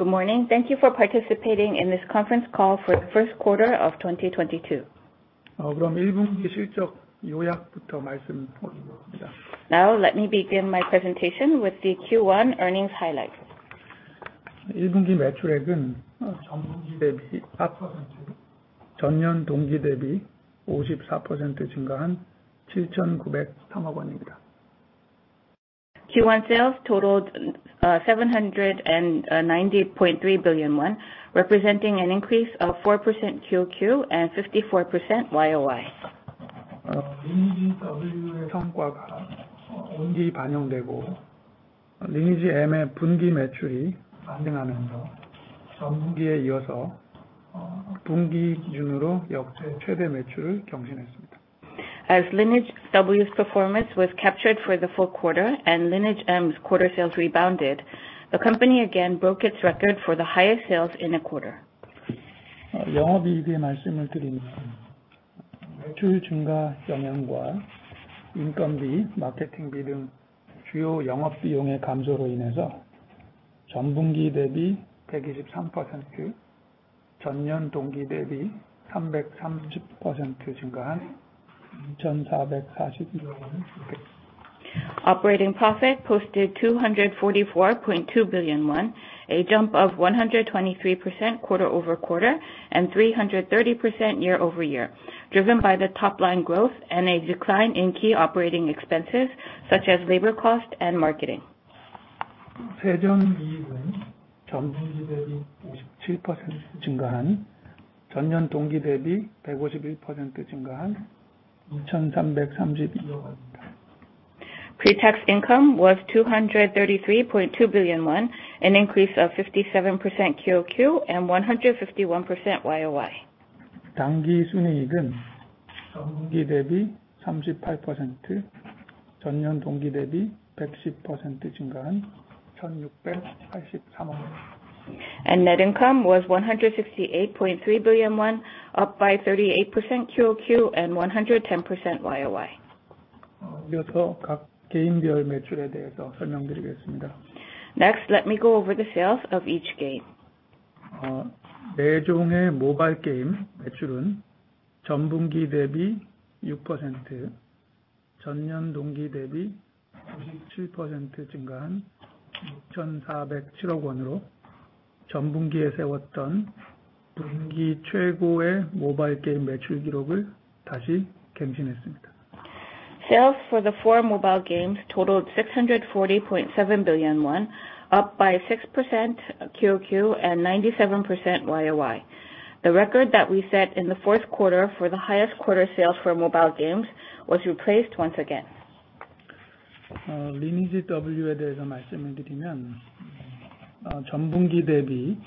Good morning. Thank you for participating in this conference call for the first quarter of 2022. Now let me begin my presentation with the Q1 earnings highlights. Q1 sales totaled 790.3 billion won, representing an increase of 4% QoQ and 54% YoY. Lineage W's performance was captured for the full quarter and Lineage M's quarter sales rebounded. The company again broke its record for the highest sales in a quarter. Operating profit posted 244.2 billion KRW, a jump of 123% quarter-over-quarter and 330% year-over-year, driven by the top line growth and a decline in key operating expenses such as labor cost and marketing. Pre-tax income was 233.2 billion won, an increase of 57% QoQ and 151% YoY. Net income was KRW 168.3 billion, up by 38% QoQ and 110% YoY. Next, let me go over the sales of each game. Sales for the four mobile games totaled KRW 640.7 billion, up by 6% QoQ and 97% YoY. The record that we set in the fourth quarter for the highest quarter sales for mobile games was replaced once again. For Lineage W, it came in at KRW 373.2 billion. Excuse me.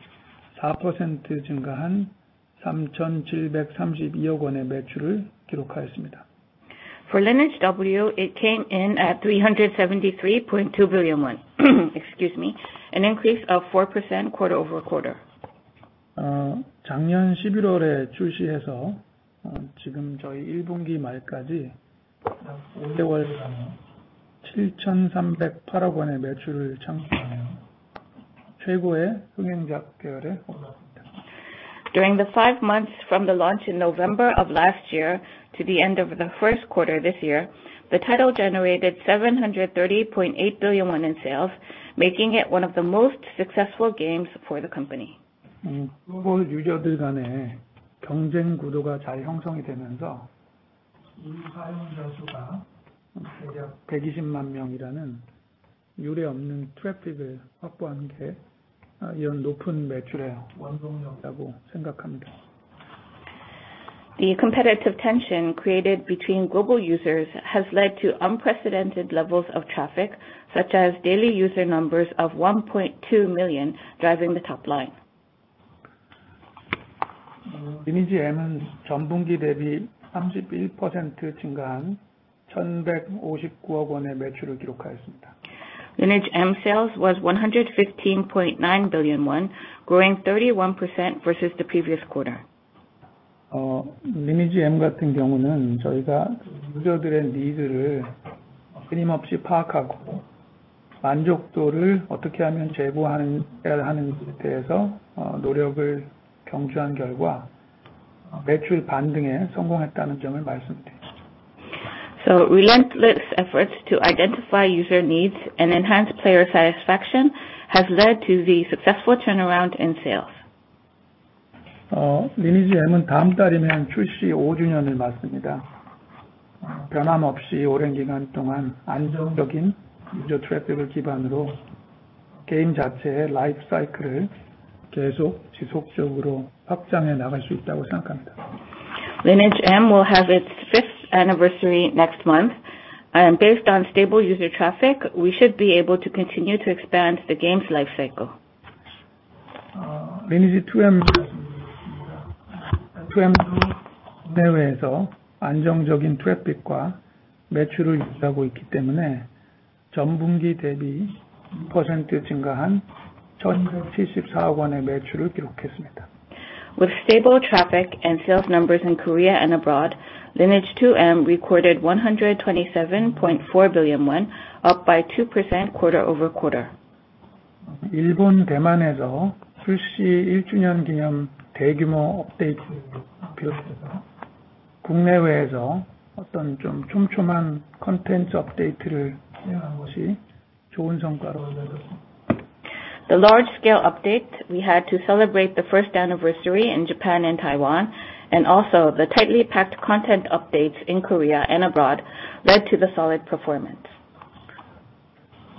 An increase of 4% quarter-over-quarter. During the five months from the launch in November of last year to the end of the first quarter this year, the title generated 730.8 billion won in sales, making it one of the most successful games for the company. The competitive tension created between global users has led to unprecedented levels of traffic, such as daily user numbers of 1.2 million, driving the top line. Lineage M sales was 115.9 billion won, growing 31% versus the previous quarter. Relentless efforts to identify user needs and enhance player satisfaction has led to the successful turnaround in sales. Lineage M will have its fifth anniversary next month, and based on stable user traffic, we should be able to continue to expand the game's life cycle. With stable traffic and sales numbers in Korea and abroad, Lineage 2M recorded 127.4 billion won, up by 2% quarter-over-quarter. The large scale update we had to celebrate the first anniversary in Japan and Taiwan, and also the tightly packed content updates in Korea and abroad led to the solid performance.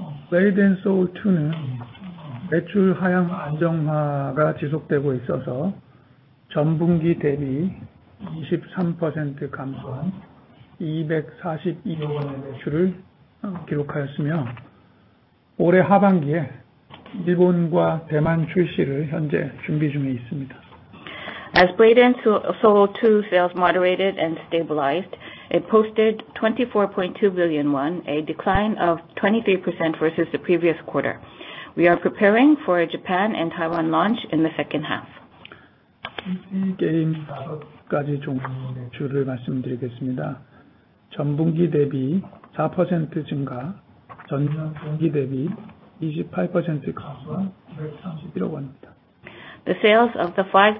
As Blade & Soul 2 sales moderated and stabilized, it posted KRW 24.2 billion, a decline of 23% versus the previous quarter. We are preparing for a Japan and Taiwan launch in the second half. The sales of the five PC online games combined was KRW 93.1 billion, an increase of 4% QoQ, but a decrease of 28% YoY. Lineage recorded KRW 26.2 billion, up by 34%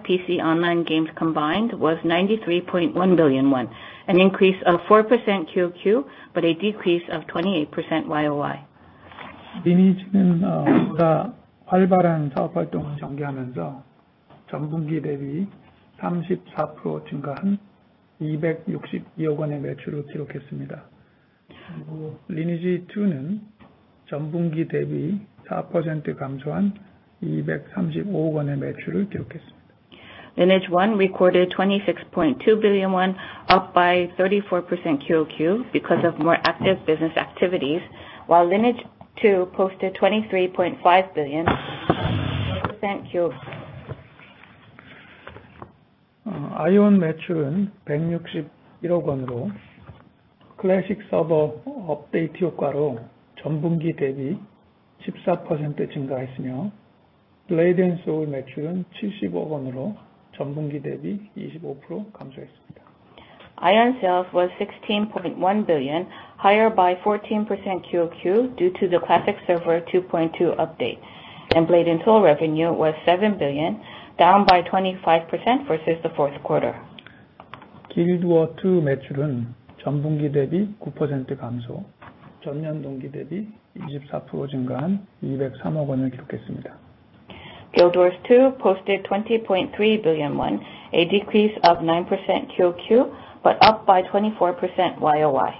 QoQ because of more active business activities. While Lineage II posted KRW 23.5 billion % QoQ. Aion sales was KRW 16.1 billion, higher by 14% QoQ due to the classic server 2.2 update. Blade & Soul revenue was 7 billion, down by 25% versus the fourth quarter. Guild Wars 2 posted KRW 20.3 billion, a decrease of 9% QoQ, but up by 24% YoY.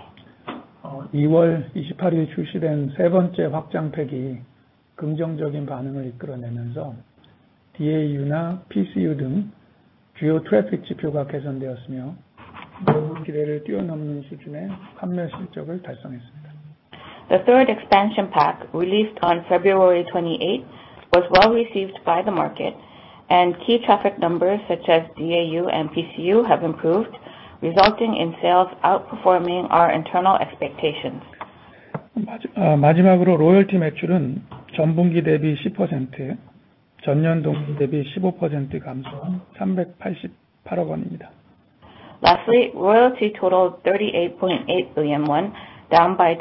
The third expansion pack, released on February 28, was well received by the market. Key traffic numbers such as DAU and PCU have improved, resulting in sales outperforming our internal expectations. Lastly, royalty totaled 38.8 billion won, down by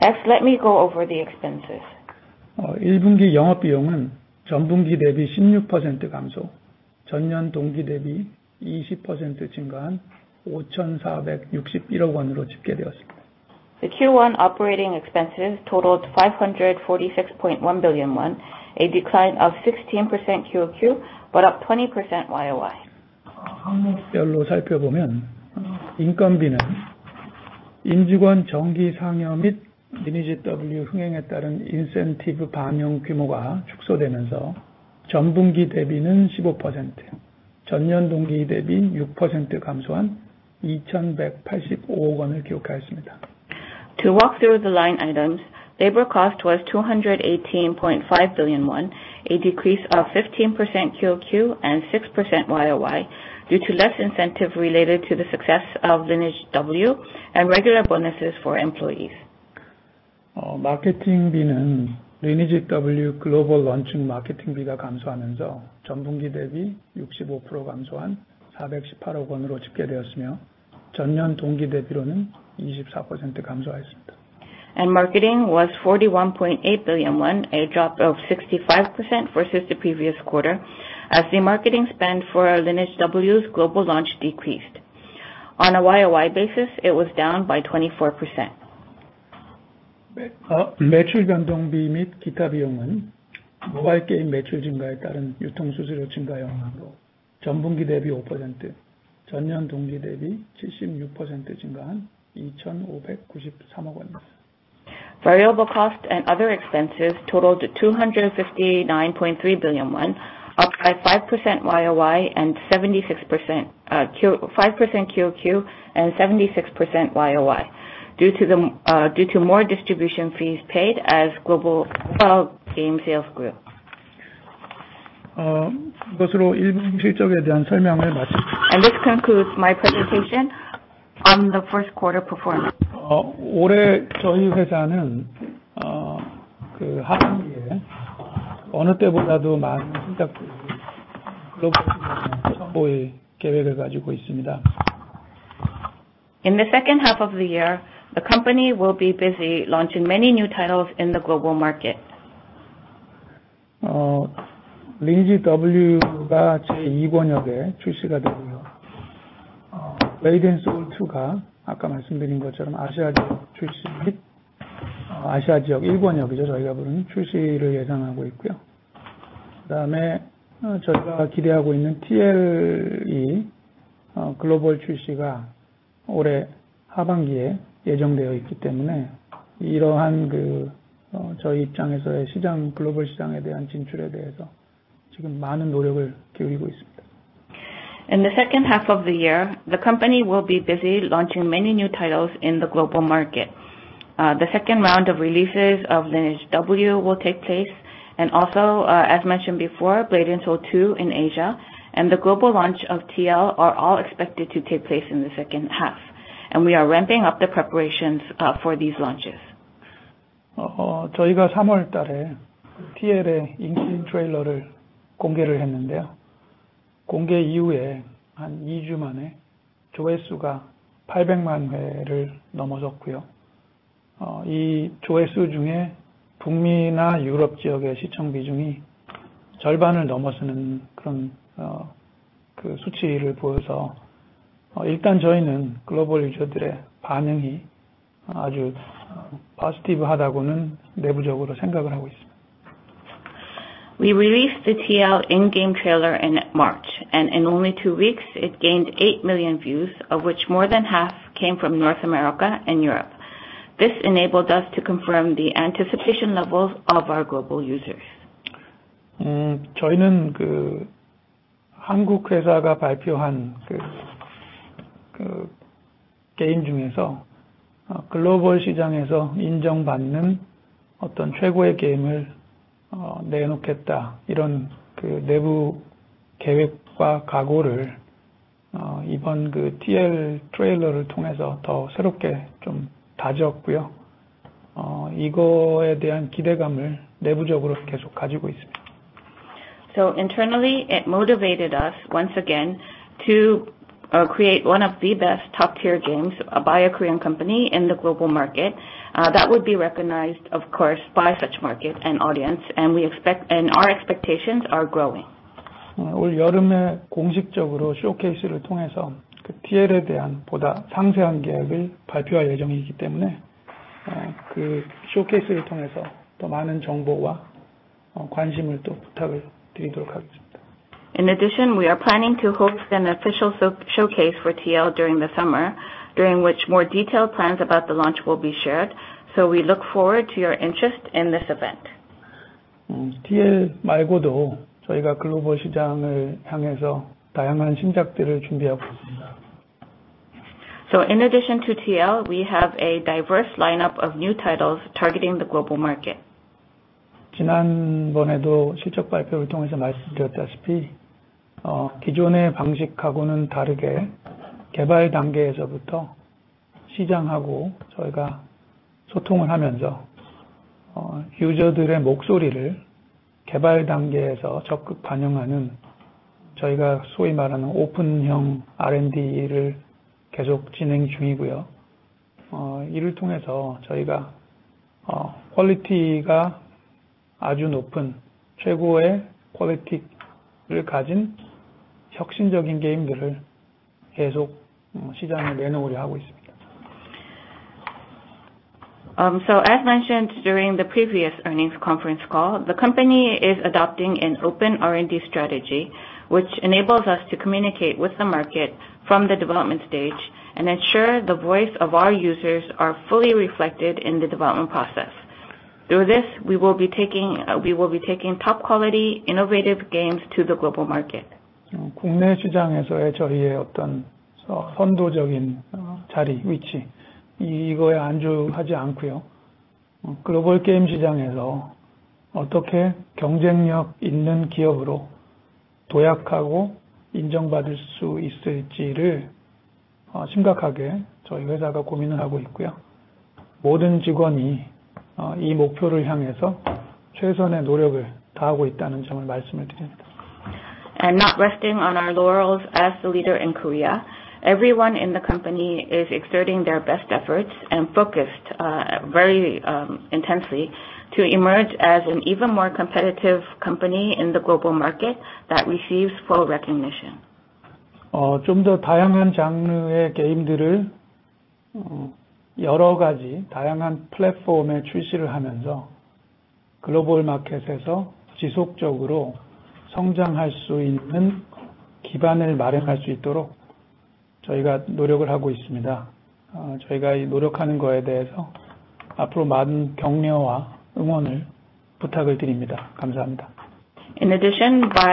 10% QoQ and 15% YoY. Taiwan Lineage M royalty softened slightly, and royalty from other PC and licensing games have been on a natural decline over time. Next, let me go over the expenses. The Q1 operating expenses totaled KRW 546.1 billion, a decline of 16% QoQ, but up 20% YoY. To walk through the line items, labor cost was 218.5 billion won, a decrease of 15% QoQ and 6% YoY, due to less incentive related to the success of Lineage W and regular bonuses for employees. Marketing was KRW 41.8 billion, a drop of 65% versus the previous quarter as the marketing spend for Lineage W's global launch decreased. On a YoY basis, it was down by 24%. Variable cost and other expenses totaled to KRW 259.3 billion, up by 5% YoY and 76% QoQ. 5% QoQ and 76% YoY, due to more distribution fees paid as global game sales grew. This concludes my presentation on the first quarter performance. In the second half of the year, the company will be busy launching many new titles in the global market. The second round of releases of Lineage W will take place, and also, as mentioned before, Blade & Soul 2 in Asia, and the global launch of TL are all expected to take place in the second half, and we are ramping up the preparations for these launches. We released the TL in-game trailer in March, and in only 2 weeks, it gained 8 million views, of which more than half came from North America and Europe. This enabled us to confirm the anticipation levels of our global users. Internally, it motivated us once again to create one of the best top-tier games by a Korean company in the global market that would be recognized, of course, by such market and audience. Our expectations are growing. In addition, we are planning to host an official showcase for TL during the summer, during which more detailed plans about the launch will be shared, so we look forward to your interest in this event. In addition to TL, we have a diverse lineup of new titles targeting the global market. As mentioned during the previous earnings conference call, the company is adopting an Open R&D strategy, which enables us to communicate with the market from the development stage and ensure the voice of our users are fully reflected in the development process. Through this, we will be taking top-quality innovative games to the global market. Not resting on our laurels as the leader in Korea, everyone in the company is exerting their best efforts and focused very intensely to emerge as an even more competitive company in the global market that receives full recognition. In addition, by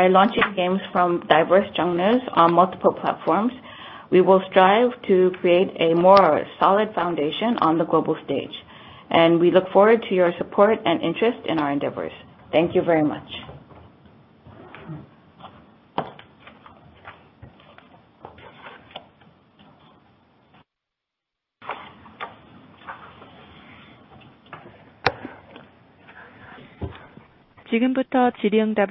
launching games from diverse genres on multiple platforms, we will strive to create a more solid foundation on the global stage, and we look forward to your support and interest in our endeavors. Thank you very much. Now Q&A session will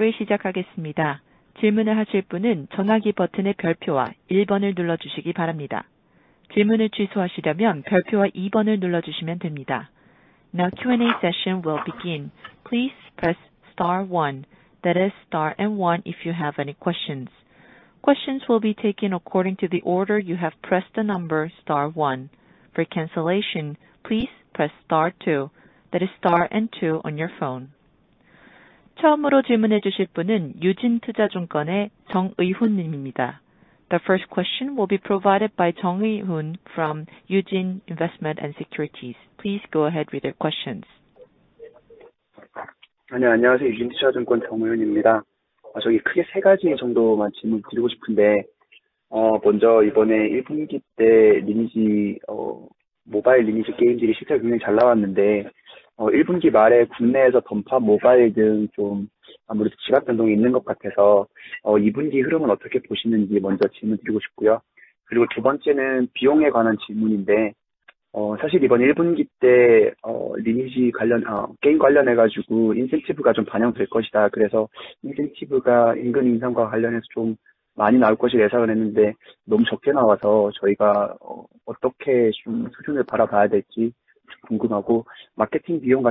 begin. Please press star one. That is star and one if you have any questions. Questions will be taken according to the order you have pressed the number star one. For cancellation, please press star two. That is star and two on your phone. The first question will be provided by Jung Eun from Eugene Investment & Securities. Please go ahead with your questions. Yes. Thank you for the opportunity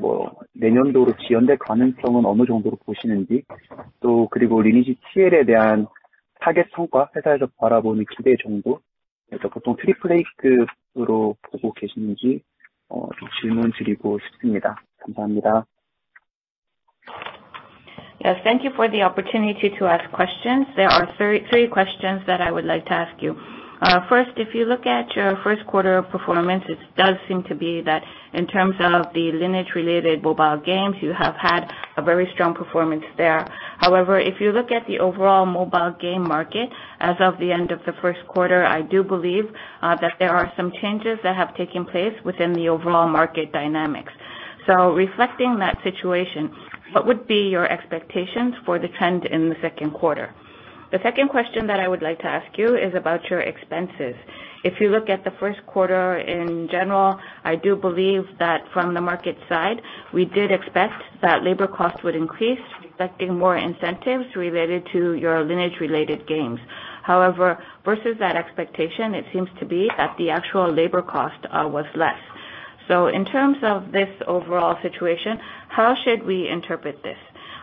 to ask questions. There are three questions that I would like to ask you. First, if you look at your first quarter performance, it does seem to be that in terms of the Lineage-related mobile games, you have had a very strong performance there. However, if you look at the overall mobile game market as of the end of the first quarter, I do believe that there are some changes that have taken place within the overall market dynamics. Reflecting that situation, what would be your expectations for the trend in the second quarter? The second question that I would like to ask you is about your expenses. If you look at the first quarter in general, I do believe that from the market side, we did expect that labor costs would increase, reflecting more incentives related to your Lineage-related games. However, versus that expectation, it seems to be that the actual labor cost was less. In terms of this overall situation, how should we interpret this?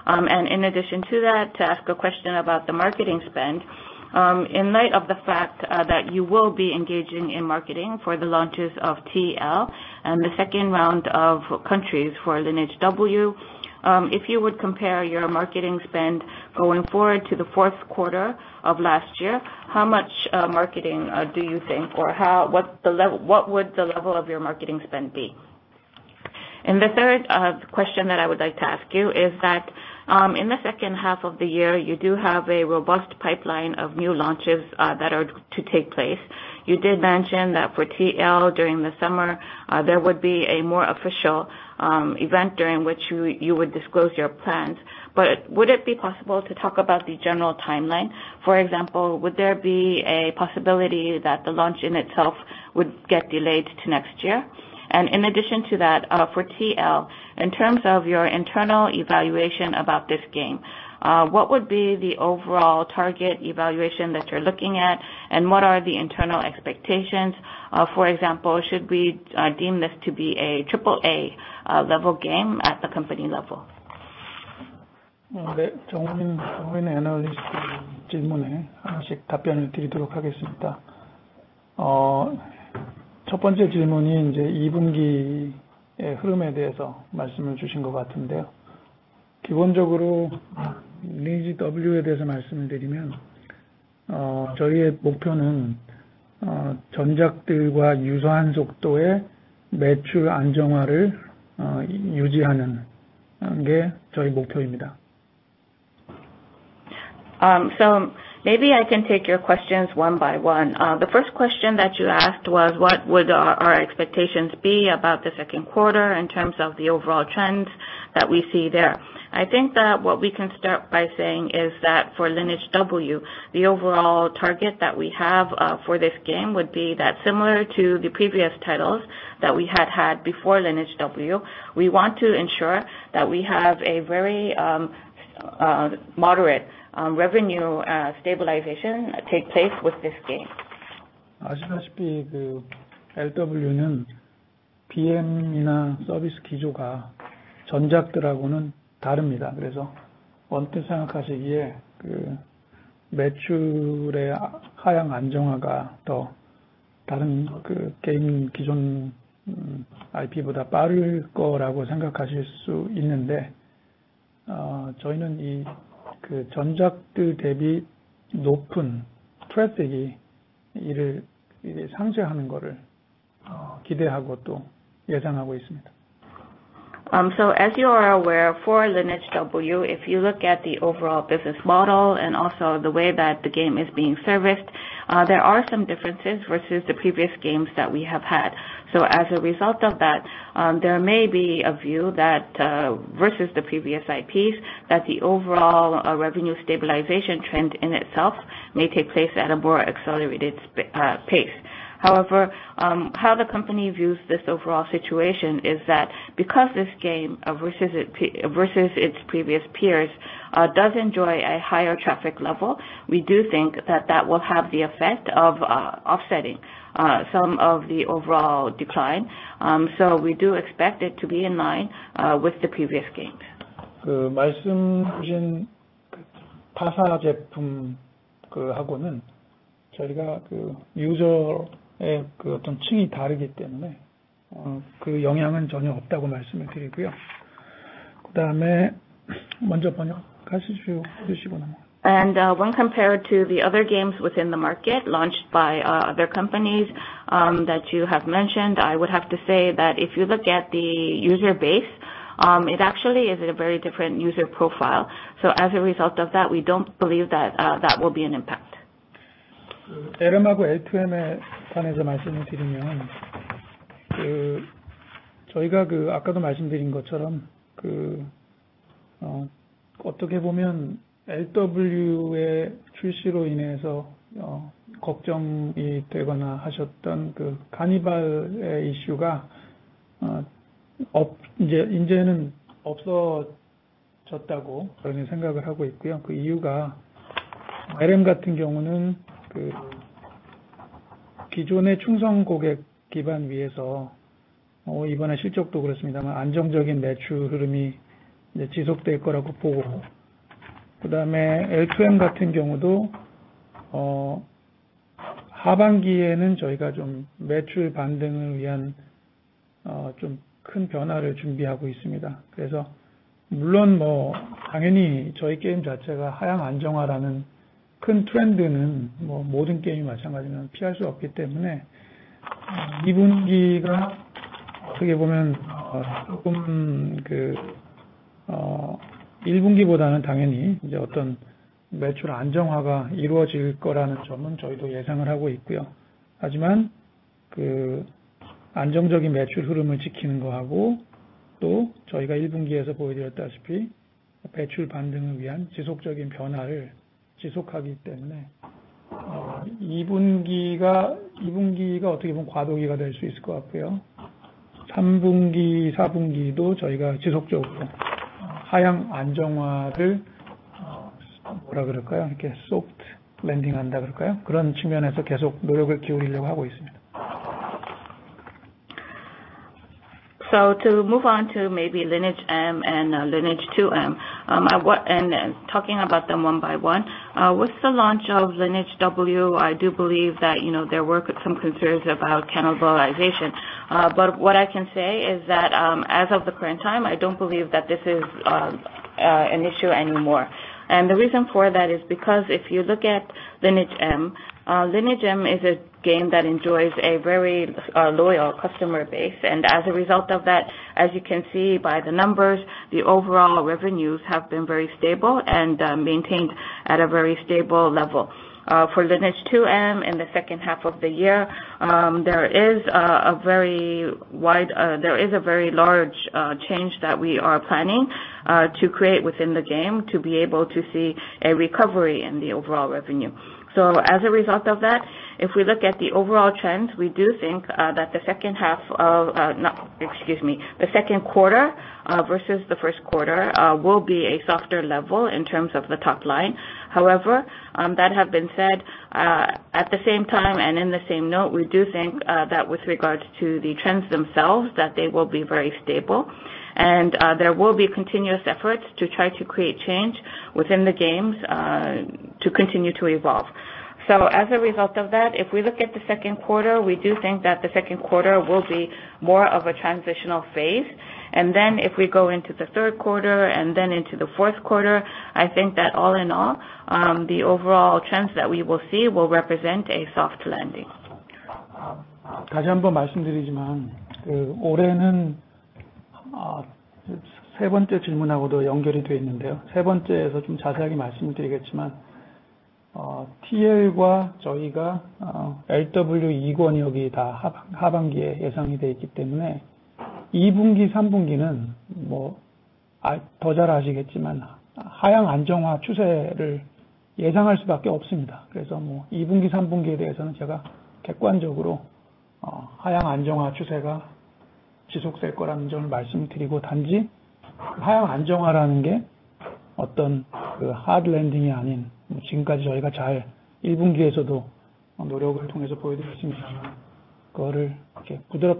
In addition to that, to ask a question about the marketing spend, in light of the fact that you will be engaging in marketing for the launches of TL and the second round of countries for Lineage W, if you would compare your marketing spend going forward to the fourth quarter of last year, how much marketing do you think or what would the level of your marketing spend be? The third question that I would like to ask you is that, in the second half of the year, you do have a robust pipeline of new launches that are to take place. You did mention that for TL during the summer, there would be a more official event during which you would disclose your plans. Would it be possible to talk about the general timeline? For example, would there be a possibility that the launch in itself would get delayed to next year? In addition to that, for TL, in terms of your internal evaluation about this game, what would be the overall target evaluation that you're looking at? What are the internal expectations? For example, should we deem this to be a AAA level game at the company level? Maybe I can take your questions one by one. The first question that you asked was what would our expectations be about the second quarter in terms of the overall trends that we see there? I think that what we can start by saying is that for Lineage W, the overall target that we have for this game would be that similar to the previous titles that we had had before Lineage W, we want to ensure that we have a very moderate revenue stabilization take place with this game. As you are aware, for Lineage W, if you look at the overall business model and also the way that the game is being serviced, there are some differences versus the previous games that we have had. As a result of that, there may be a view that versus the previous IPs, that the overall revenue stabilization trend in itself may take place at a more accelerated pace. However, how the company views this overall situation is that because this game versus its previous peers does enjoy a higher traffic level, we do think that that will have the effect of offsetting some of the overall decline. We do expect it to be in line with the previous games. When compared to the other games within the market launched by other companies that you have mentioned, I would have to say that if you look at the user base, it actually is a very different user profile. As a result of that, we don't believe that that will be an impact. To move on to maybe Lineage M and Lineage 2M, talking about them one by one, with the launch of Lineage W, I do believe that, you know, there were some concerns about cannibalization. What I can say is that, as of the current time, I don't believe that this is an issue anymore. The reason for that is because if you look at Lineage M, Lineage M is a game that enjoys a very loyal customer base. As a result of that, as you can see by the numbers, the overall revenues have been very stable and maintained at a very stable level. For Lineage 2M in the second half of the year, there is a very large change that we are planning to create within the game to be able to see a recovery in the overall revenue. As a result of that, if we look at the overall trend, we do think that the second quarter versus the first quarter will be a softer level in terms of the top line. However, that have been said, at the same time and in the same note, we do think that with regards to the trends themselves, that they will be very stable and there will be continuous efforts to try to create change within the games to continue to evolve. As a result of that, if we look at the second quarter, we do think that the second quarter will be more of a transitional phase. If we go into the third quarter and then into the fourth quarter, I think that all in all, the overall trends that we will see will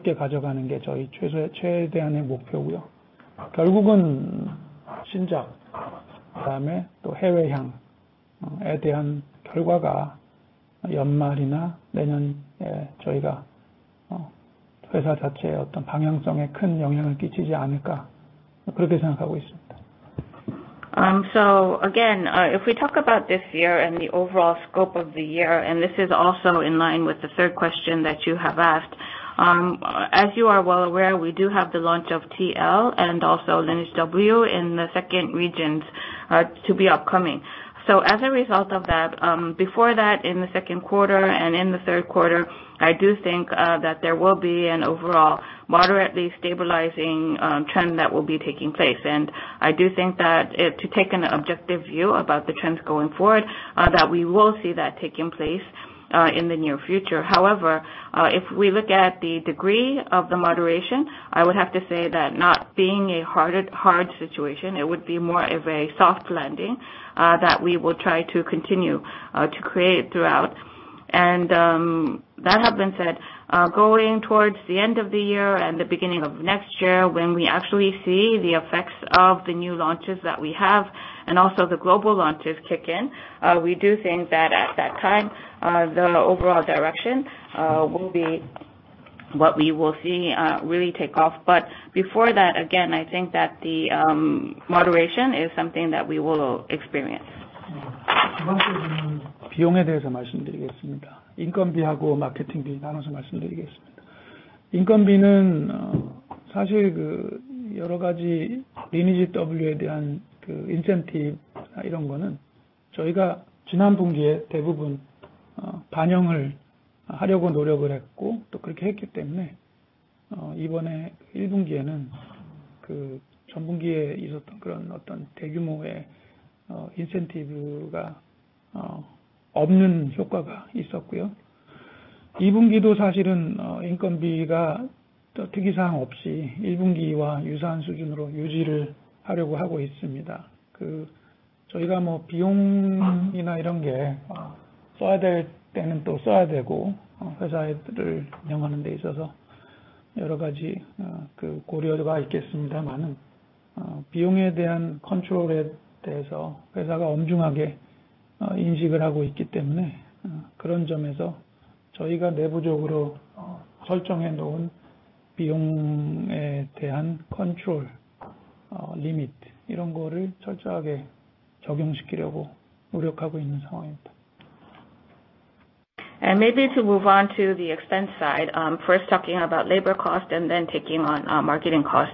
represent a soft landing. Again, if we talk about this year and the overall scope of the year, and this is also in line with the third question that you have asked. As you are well aware, we do have the launch of TL and also Lineage W in the secondary regions, to be upcoming. As a result of that, before that in the second quarter and in the third quarter, I do think that there will be an overall moderately stabilizing trend that will be taking place. I do think that to take an objective view about the trends going forward, that we will see that taking place in the near future. However, if we look at the degree of the moderation, I would have to say that not being a hard situation, it would be more of a soft landing that we will try to continue to create throughout. That have been said, going towards the end of the year and the beginning of next year, when we actually see the effects of the new launches that we have and also the global launches kick in, we do think that at that time, the overall direction will be what we will see really take off. Before that, again, I think that the moderation is something that we will experience. Maybe to move on to the expense side, first talking about labor cost and then taking on marketing cost.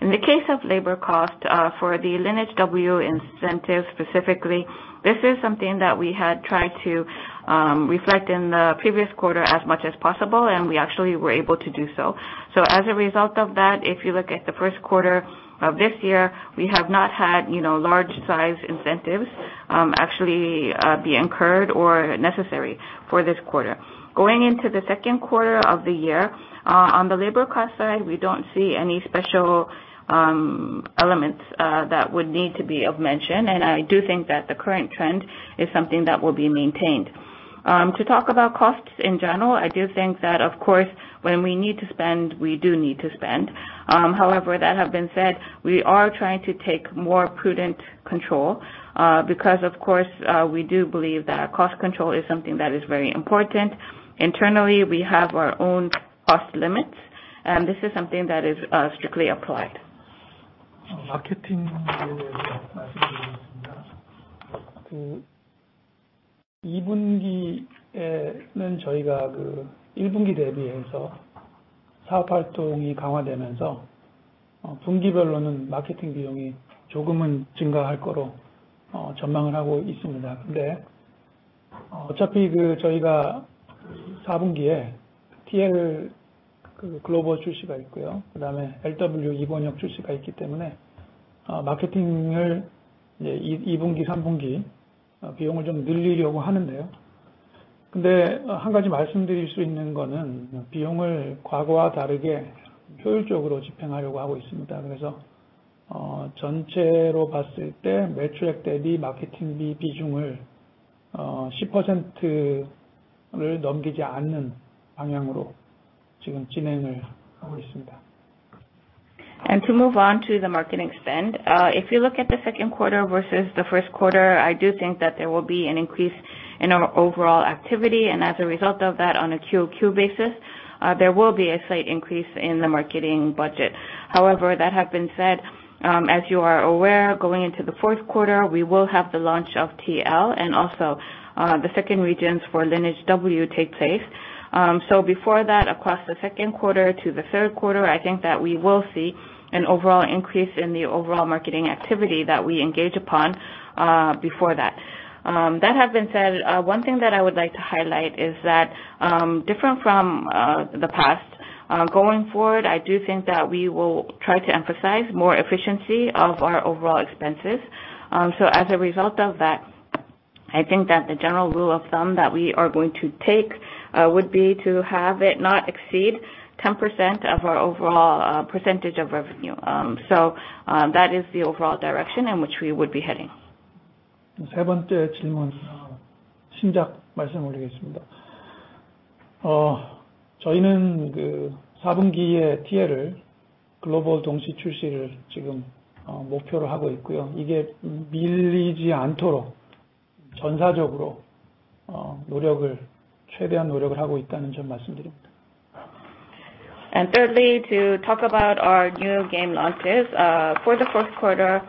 In the case of labor cost, for the Lineage W incentive specifically, this is something that we had tried to reflect in the previous quarter as much as possible, and we actually were able to do so. As a result of that, if you look at the first quarter of this year, we have not had, you know, large size incentives, actually, be incurred or necessary for this quarter. Going into the second quarter of the year, on the labor cost side, we don't see any special elements that would need to be mentioned, and I do think that the current trend is something that will be maintained. To talk about costs in general, I do think that of course, when we need to spend, we do need to spend. However, that having been said, we are trying to take more prudent control, because of course, we do believe that cost control is something that is very important. Internally, we have our own cost limits, and this is something that is strictly applied. To move on to the marketing spend, if you look at the second quarter versus the first quarter, I do think that there will be an increase in our overall activity. As a result of that on a QoQ basis, there will be a slight increase in the marketing budget. However, that have been said, as you are aware, going into the fourth quarter, we will have the launch of TL and also, the second regions for Lineage W take place. So before that, across the second quarter to the third quarter, I think that we will see an overall increase in the overall marketing activity that we engage upon, before that. That have been said, one thing that I would like to highlight is that, different from the past, going forward, I do think that we will try to emphasize more efficiency of our overall expenses. As a result of that, I think that the general rule of thumb that we are going to take would be to have it not exceed 10% of our overall percentage of revenue. That is the overall direction in which we would be heading. 세 번째 질문 신작 말씀드리겠습니다. 저희는 그 사분기에 TL을 글로벌 동시 출시를 지금 목표로 하고 있고요. 이게 밀리지 않도록 전사적으로 노력을 최대한 노력을 하고 있다는 점 말씀드립니다. Thirdly, to talk about our new game launches, for the fourth quarter,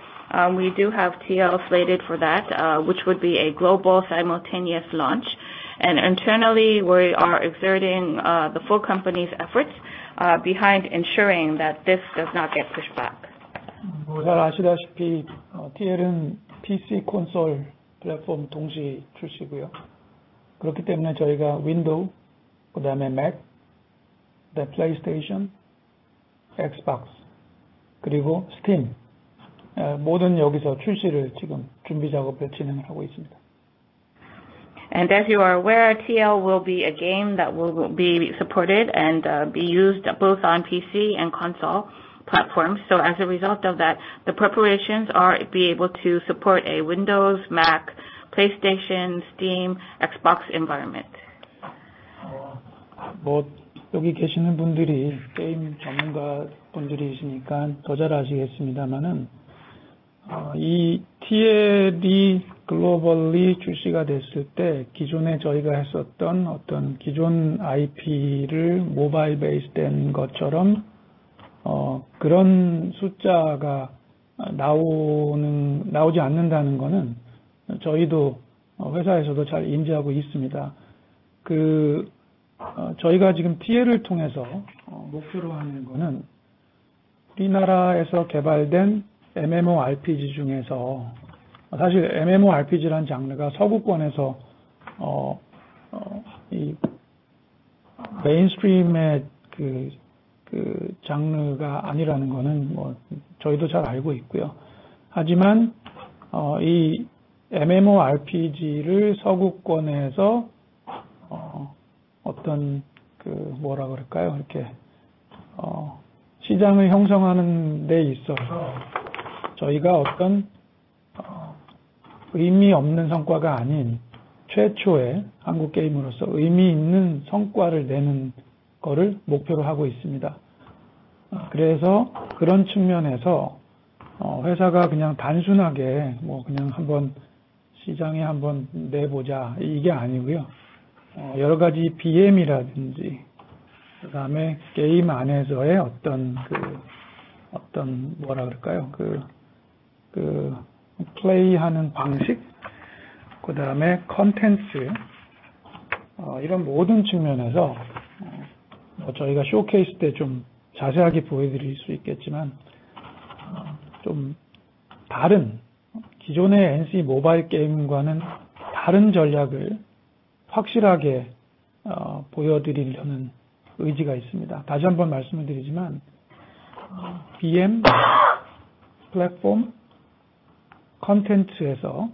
we do have TL slated for that, which would be a global simultaneous launch. Internally, we are exerting the full company's efforts behind ensuring that this does not get pushed back. 잘 아시다시피 TL은 PC 콘솔 플랫폼 동시 출시고요. 그렇기 때문에 저희가 Windows, 그 다음에 Mac, PlayStation, Xbox 그리고 Steam, 모든 여기서 출시를 지금 준비 작업을 진행하고 있습니다. As you are aware, TL will be a game that will be supported and be used both on PC and console platforms. As a result of that, the preparations are be able to support a Windows, Mac, PlayStation, Steam, Xbox environment. 여기 계시는 분들이 게임 전문가분들이시니까 더잘 아시겠습니다마는, 이 TL이 globally 출시가 됐을 때 기존에 저희가 했었던 기존 IP를 mobile based 된 것처럼 그런 숫자가 나오지 않는다는 거는 저희도 회사에서도 잘 인지하고 있습니다. 저희가 지금 TL을 통해서 목표로 하는 거는 이 나라에서 개발된 MMORPG 중에서, 사실 MMORPG란 장르가 서구권에서 mainstream의 장르가 아니라는 거는 저희도 잘 알고 있고요. 하지만 이 MMORPG를 서구권에서 시장을 형성하는 데 있어서 저희가 의미 없는 성과가 아닌 최초의 한국 게임으로서 의미 있는 성과를 내는 거를 목표로 하고 있습니다. 그래서 그런 측면에서 회사가 그냥 단순하게 한번 시장에 내보자 이게 아니고요. 여러 가지 BM이라든지 그다음에 게임 안에서의 어떤 뭐라 그럴까요? play하는 방식, 그다음에 contents, 이런 모든 측면에서, 저희가 showcase 때좀 자세하게 보여드릴 수 있겠지만, 좀 다른 기존의 NC 모바일 게임과는 다른 전략을 확실하게 보여드리려는 의지가 있습니다. 다시 한번 말씀을 드리지만, BM, platform, content에서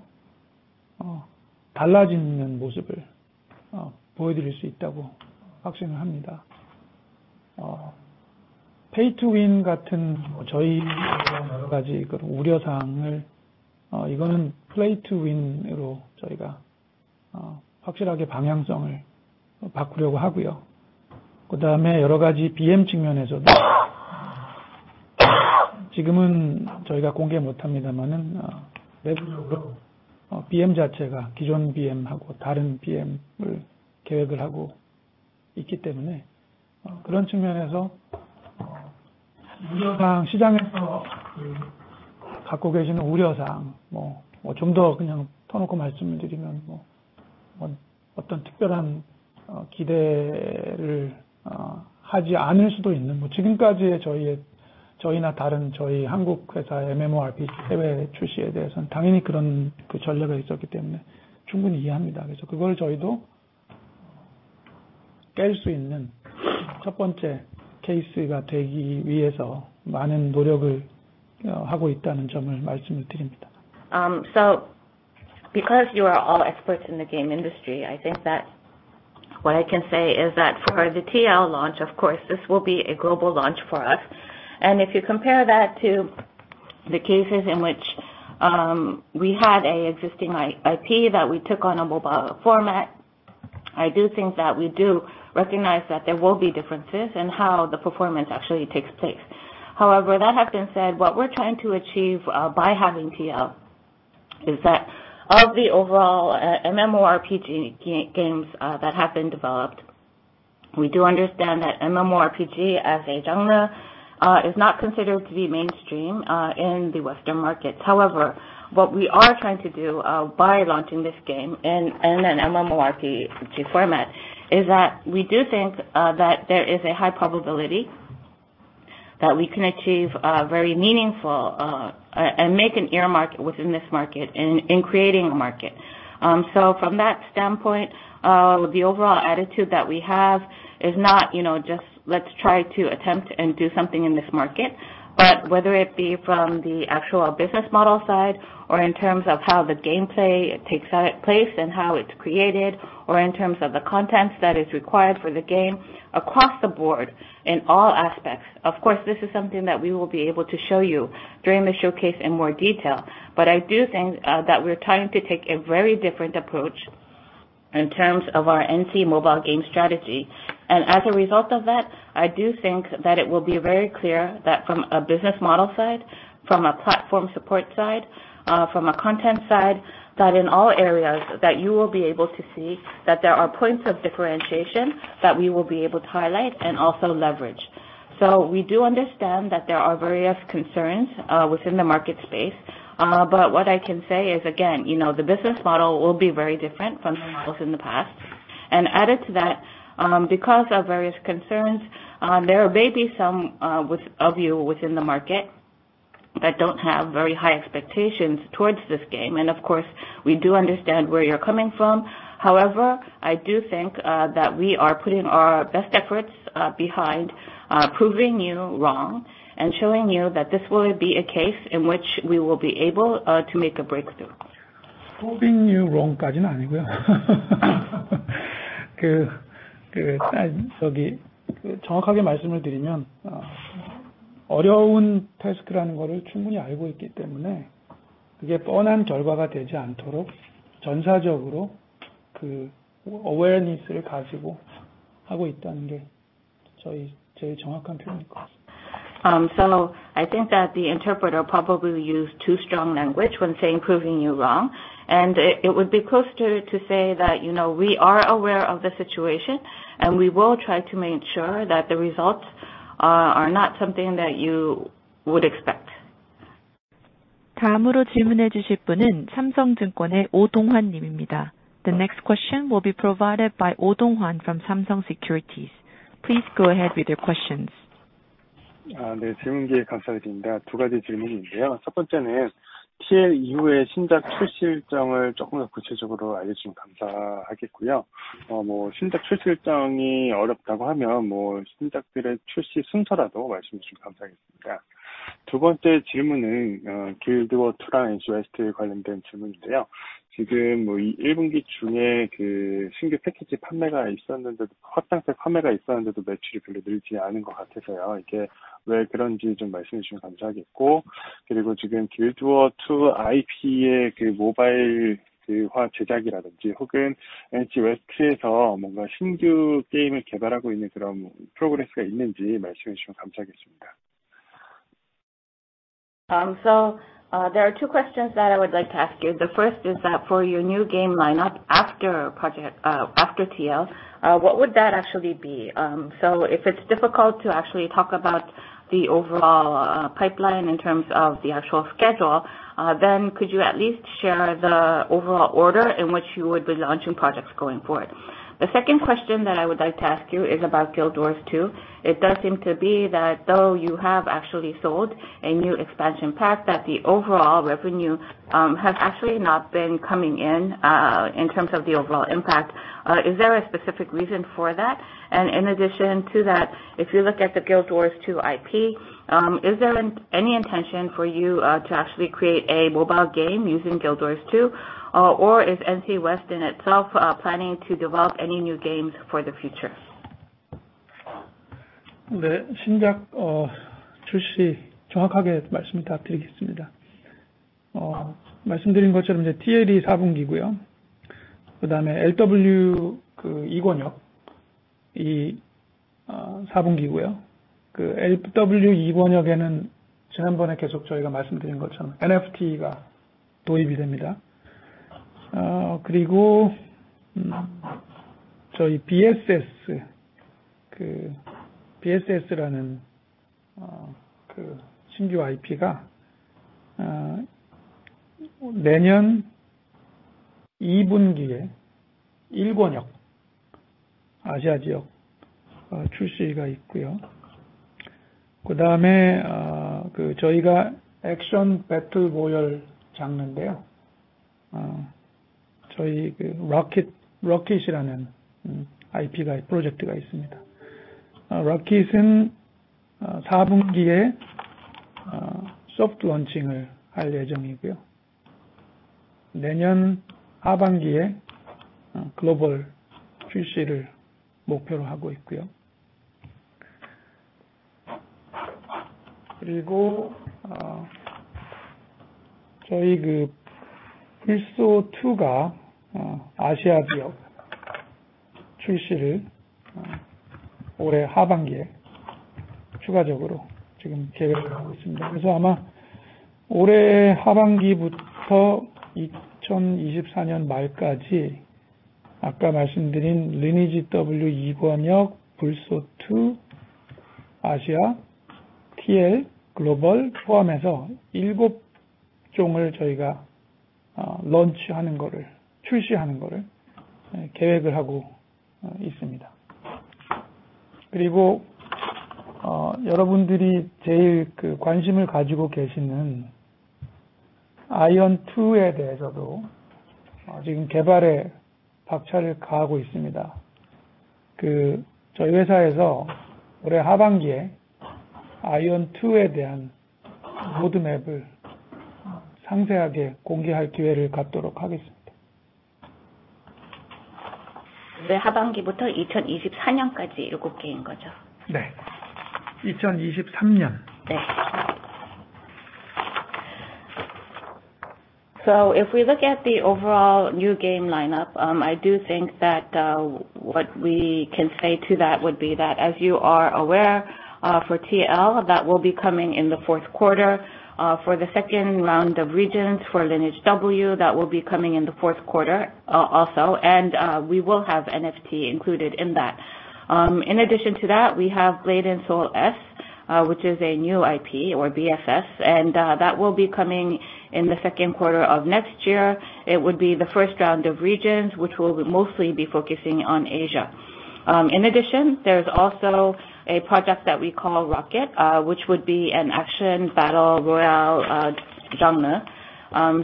달라지는 모습을 보여드릴 수 있다고 확신을 합니다. pay to win 같은 저희의 그런 여러 가지 우려 사항을, 이거는 play to win으로 저희가 확실하게 방향성을 바꾸려고 하고요. 그다음에 여러 가지 BM 측면에서도 지금은 저희가 공개 못합니다마는, 내부적으로 BM 자체가 기존 BM하고 다른 BM을 계획을 하고 있기 때문에, 그런 측면에서 우려 사항, 시장에서 갖고 계시는 우려 사항, 좀더 그냥 터놓고 말씀을 드리면, 어떤 특별한 기대를 하지 않을 수도 있는 지금까지의 저희나 다른 저희 한국 회사 MMORPG 해외 출시에 대해서는 당연히 그런 전략이 있었기 때문에 충분히 이해합니다. 그래서 그걸 저희도 깰수 있는 첫 번째 case가 되기 위해서 많은 노력을 하고 있다는 점을 말씀을 드립니다. Because you are all experts in the game industry, I think that what I can say is that for the TL launch, of course, this will be a global launch for us. If you compare that to the cases in which we had an existing IP that we took on a mobile format, I do think that we do recognize that there will be differences in how the performance actually takes place. However, that has been said, what we're trying to achieve by having TL is that of the overall MMORPG games that have been developed, we do understand that MMORPG as a genre is not considered to be mainstream in the Western markets. However, what we are trying to do by launching this game in an MMORPG format is that we do think that there is a high probability that we can achieve very meaningful and make a new market within this market in creating a market. From that standpoint, the overall attitude that we have is not, you know, just let's try to attempt and do something in this market. Whether it be from the actual business model side or in terms of how the gameplay takes place and how it's created, or in terms of the content that is required for the game across the board in all aspects. Of course, this is something that we will be able to show you during the showcase in more detail, but I do think that we're trying to take a very different approach in terms of our NC mobile game strategy. As a result of that, I do think that it will be very clear that from a business model side, from a platform support side, from a content side, that in all areas that you will be able to see that there are points of differentiation that we will be able to highlight and also leverage. We do understand that there are various concerns within the market space. What I can say is, again, you know, the business model will be very different from the models in the past. Added to that, because of various concerns, there may be some of you within the market that don't have very high expectations towards this game. Of course, we do understand where you're coming from. However, I do think that we are putting our best efforts behind proving you wrong and showing you that this will be a case in which we will be able to make a breakthrough. I think that the interpreter probably used too strong language when saying, "Proving you wrong." It would be closer to say that, you know, we are aware of the situation, and we will try to make sure that the results are not something that you would expect. The next question will be provided by Oh Dong-hwan from Samsung Securities. Please go ahead with your questions. There are two questions that I would like to ask you. The first is that for your new game lineup after TL, what would that actually be? If it's difficult to actually talk about the overall pipeline in terms of the actual schedule, then could you at least share the overall order in which you would be launching projects going forward? The second question that I would like to ask you is about Guild Wars 2. It does seem to be that though you have actually sold a new expansion pack, that the overall revenue has actually not been coming in in terms of the overall impact. Is there a specific reason for that? In addition to that, if you look at the Guild Wars 2 IP, is there any intention for you to actually create a mobile game using Guild Wars 2, or is NC West in itself planning to develop any new games for the future? launch 하는 거를, 출시하는 거를 계획을 하고 있습니다. 그리고 여러분들이 제일 관심을 가지고 계시는 AION 2에 대해서도 지금 개발에 박차를 가하고 있습니다. 저희 회사에서 올해 하반기에 AION 2에 대한 로드맵을 상세하게 공개할 기회를 갖도록 하겠습니다. 하반기부터 2024년까지 일곱 개인 거죠? 네. 2023년. Yes. If we look at the overall new game lineup, I do think that what we can say to that would be that as you are aware for TL that will be coming in the fourth quarter for the second round of regions for Lineage W that will be coming in the fourth quarter also. We will have NFT included in that. In addition to that, we have Blade & Soul S, which is a new IP or BSS, and that will be coming in the second quarter of next year. It would be the first round of regions which will mostly be focusing on Asia. In addition, there's also a project that we call Project R, which would be an action battle royale genre.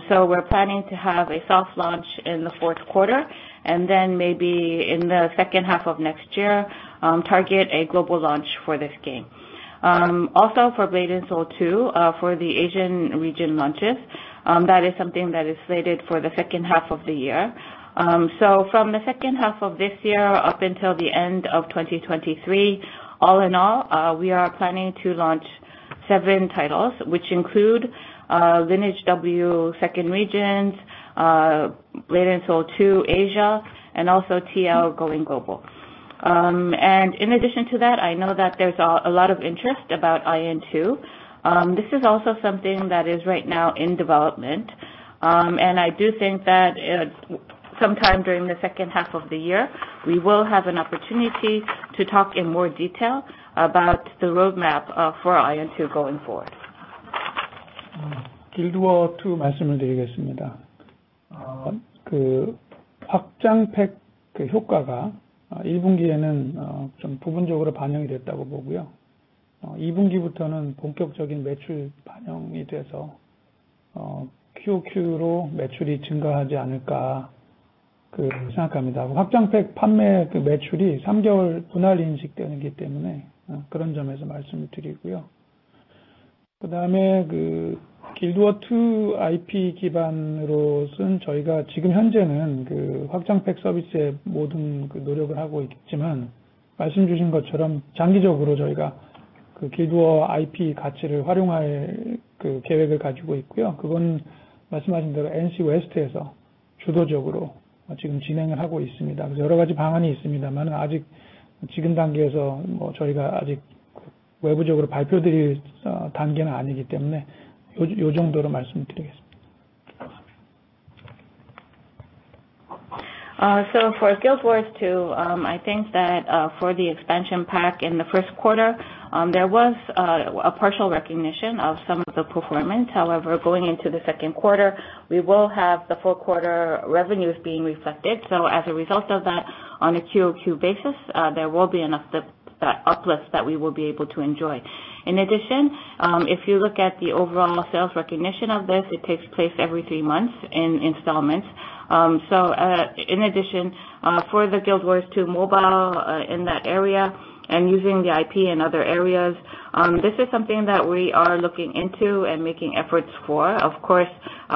We're planning to have a soft launch in the fourth quarter and then maybe in the second half of next year, target a global launch for this game. Also for Blade & Soul 2, for the Asian region launches, that is something that is slated for the second half of the year. From the second half of this year up until the end of 2023. All in all, we are planning to launch seven titles which include Lineage W, second regions, Blade & Soul 2 Asia and also TL going global. In addition to that, I know that there's a lot of interest about AION 2. This is also something that is right now in development. I do think that sometime during the second half of the year, we will have an opportunity to talk in more detail about the roadmap for AION 2 going forward. Guild Wars 2 말씀을 드리겠습니다. 그 확장팩 효과가 1분기에는 좀 부분적으로 반영이 됐다고 보고요. 이 분기부터는 본격적인 매출 반영이 돼서 QoQ로 매출이 증가하지 않을까 생각합니다. 확장팩 판매 매출이 3개월 분할 인식되기 때문에 그런 점에서 말씀을 드리고요. 그다음에 그 Guild Wars 2 IP 기반으로 저희가 지금 현재는 그 확장팩 서비스에 모든 노력을 하고 있지만, 말씀해 주신 것처럼 장기적으로 저희가 그 Guild Wars IP 가치를 활용할 계획을 가지고 있고요. 그건 말씀하신 대로 NC West에서 주도적으로 지금 진행을 하고 있습니다. 그래서 여러 가지 방안이 있습니다마는 아직 지금 단계에서 저희가 외부적으로 발표드릴 단계는 아니기 때문에 요 정도로 말씀드리겠습니다. For Guild Wars 2, I think that for the expansion pack in the first quarter, there was a partial recognition of some of the performance. However, going into the second quarter, we will have the full quarter revenues being reflected. As a result of that, on a QoQ basis, there will be enough uplifts that we will be able to enjoy. In addition, if you look at the overall sales recognition of this, it takes place every three months in installments. In addition, for the Guild Wars 2 mobile in that area and using the IP in other areas, this is something that we are looking into and making efforts for. Of course,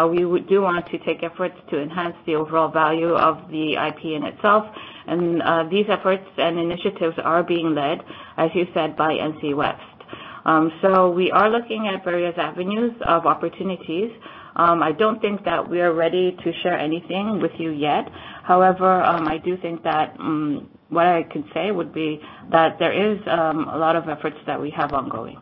we do want to take efforts to enhance the overall value of the IP in itself. These efforts and initiatives are being led, as you said, by NC West. We are looking at various avenues of opportunities. I don't think that we are ready to share anything with you yet. However, I do think that what I can say would be that there is a lot of efforts that we have ongoing.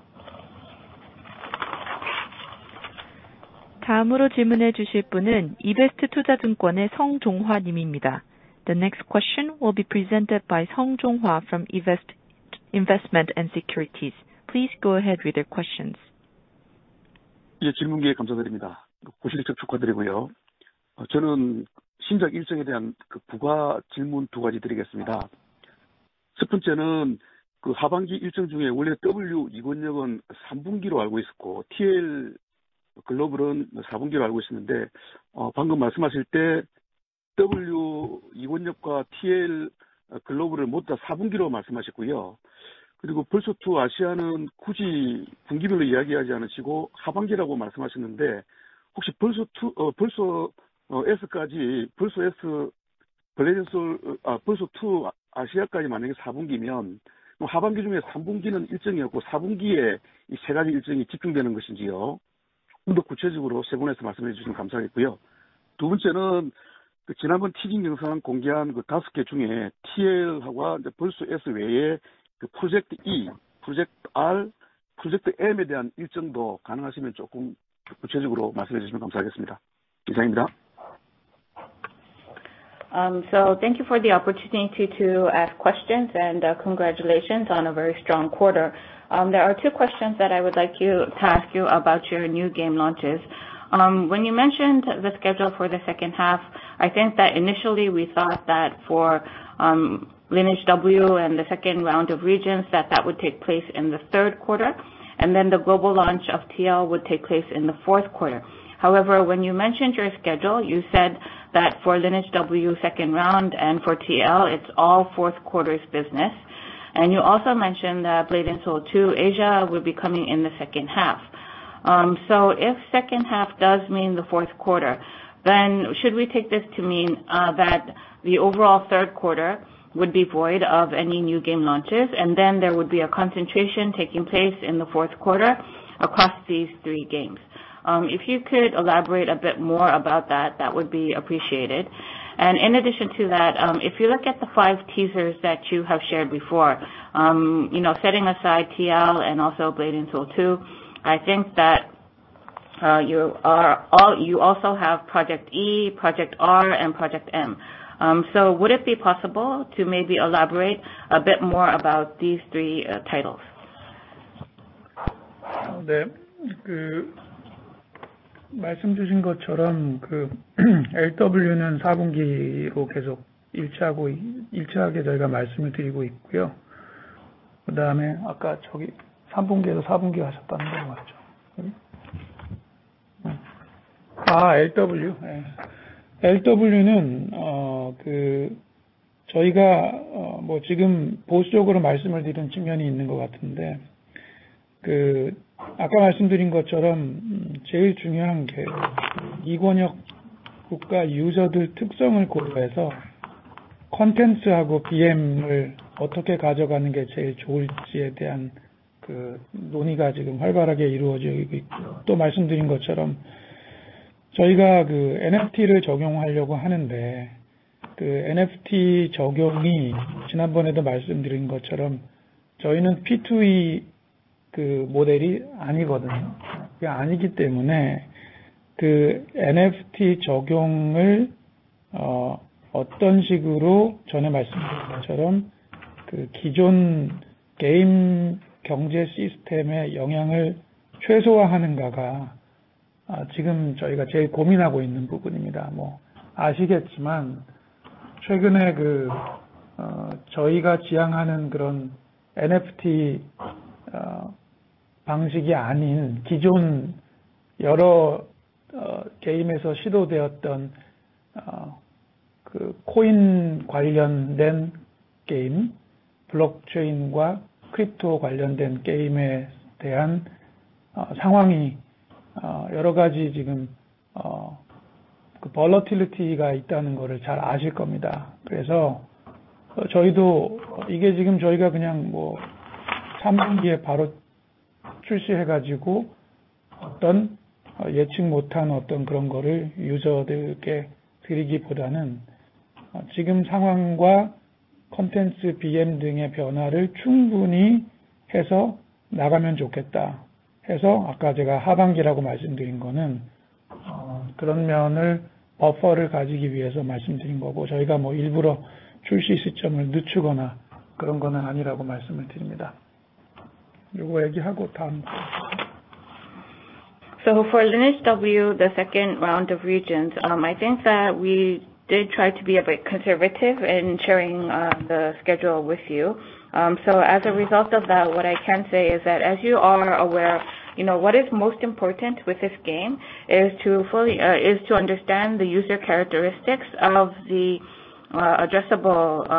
다음으로 질문해 주실 분은 이베스트 투자증권의 성종화 님입니다. The next question will be presented by Sung Jong-wha from eBEST Investment & Securities. Please go ahead with your questions. 질문 기회 감사드립니다. 신년 축하드리고요. 저는 신작 일정에 대한 부가 질문 두 가지 드리겠습니다. 첫 번째는 하반기 일정 중에 원래 Lineage W 이번 역은 3분기로 알고 있었고, TL 글로벌은 4분기로 알고 있었는데, 방금 말씀하실 때 Lineage W 이번 역과 TL 글로벌을 모두 다 4분기로 말씀하셨고요. 그리고 Blade & Soul 2 아시아는 굳이 분기로 이야기하지 않으시고 하반기라고 말씀하셨는데, 혹시 Blade & Soul 2, Blade & Soul S까지, Blade & Soul S, Blade & Soul, Blade & Soul 2 아시아까지 만약에 4분기면 하반기 중에 3분기는 일정이 없고 4분기에 이세 가지 일정이 집중되는 것인지요? 좀더 구체적으로 세분해서 말씀해 주시면 감사하겠고요. 두 번째는 지난번 티징 영상 공개한 다섯 개 중에 TL하고 Blade & Soul S 외에 Project E, Project R, Project M에 대한 일정도 가능하시면 조금 구체적으로 말씀해 주시면 감사하겠습니다. 이상입니다. So thank you for the opportunity to ask questions, and congratulations on a very strong quarter. There are two questions that I would like to ask you about your new game launches. When you mentioned the schedule for the second half, I think that initially we thought that for Lineage W and the second round of regions, that would take place in the third quarter, and then the global launch of TL would take place in the fourth quarter. However, when you mentioned your schedule, you said that for Lineage W second round and for TL, it's all fourth quarter's business. You also mentioned that Blade & Soul 2 Asia will be coming in the second half. If second half does mean the fourth quarter, then should we take this to mean that the overall third quarter would be void of any new game launches, and then there would be a concentration taking place in the fourth quarter across these three games? If you could elaborate a bit more about that would be appreciated. In addition to that, if you look at the five teasers that you have shared before, you know, setting aside TL and also Blade & Soul 2, I think that you also have Project E, Project R, and Project M. Would it be possible to maybe elaborate a bit more about these three titles? For Lineage W, the second round of regions, I think that we did try to be a bit conservative in sharing the schedule with you. As a result of that, what I can say is that as you are aware, you know, what is most important with this game is to understand the user characteristics of the addressable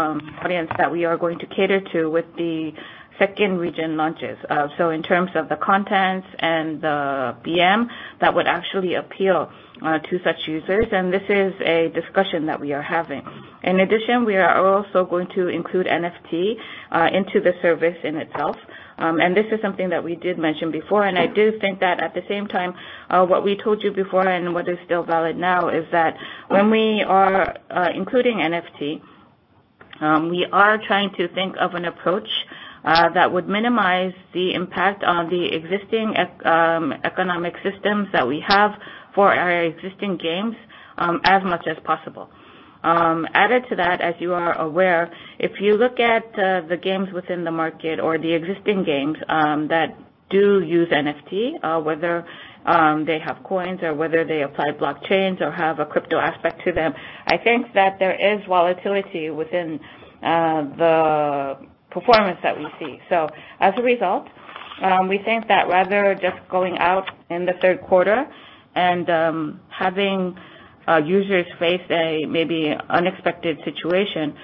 audience that we are going to cater to with the second region launches. In terms of the content and the BM, that would actually appeal to such users. This is a discussion that we are having. In addition, we are also going to include NFT into the service in itself. This is something that we did mention before. I do think that at the same time, what we told you before and what is still valid now is that when we are including NFT, we are trying to think of an approach that would minimize the impact on the existing economic systems that we have for our existing games, as much as possible. Added to that, as you are aware, if you look at the games within the market or the existing games that do use NFT, whether they have coins or whether they apply blockchains or have a crypto aspect to them, I think that there is volatility within the performance that we see. As a result, we think that rather just going out in the third quarter and having users face a maybe unexpected situation,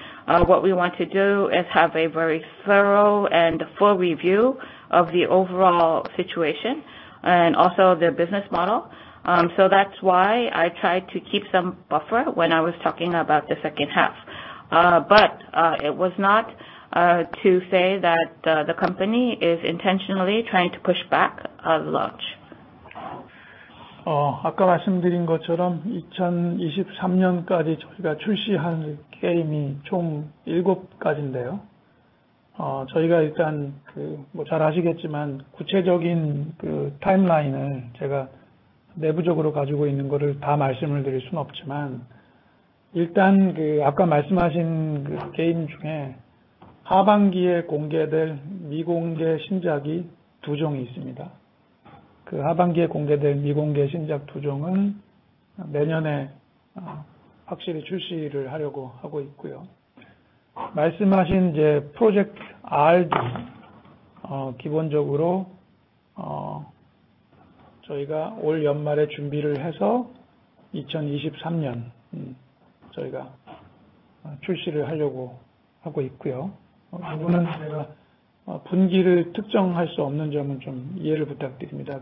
what we want to do is have a very thorough and full review of the overall situation and also their business model. That's why I tried to keep some buffer when I was talking about the second half. It was not to say that the company is intentionally trying to push back a launch. 저희가 일단 구체적인 timeline을 제가 내부적으로 가지고 있는 거를 다 말씀을 드릴 순 없지만, 일단 아까 말씀하신 그 게임 중에 하반기에 공개될 미공개 신작이 두 종이 있습니다. 그 하반기에 공개될 미공개 신작 두 종은 내년에 확실히 출시를 하려고 하고 있고요. 말씀하신 이제 Project R도 기본적으로 저희가 올 연말에 준비를 해서 2023년 저희가 출시를 하려고 하고 있고요. 그거는 제가 분기를 특정할 수 없는 점은 좀 이해를 부탁드립니다.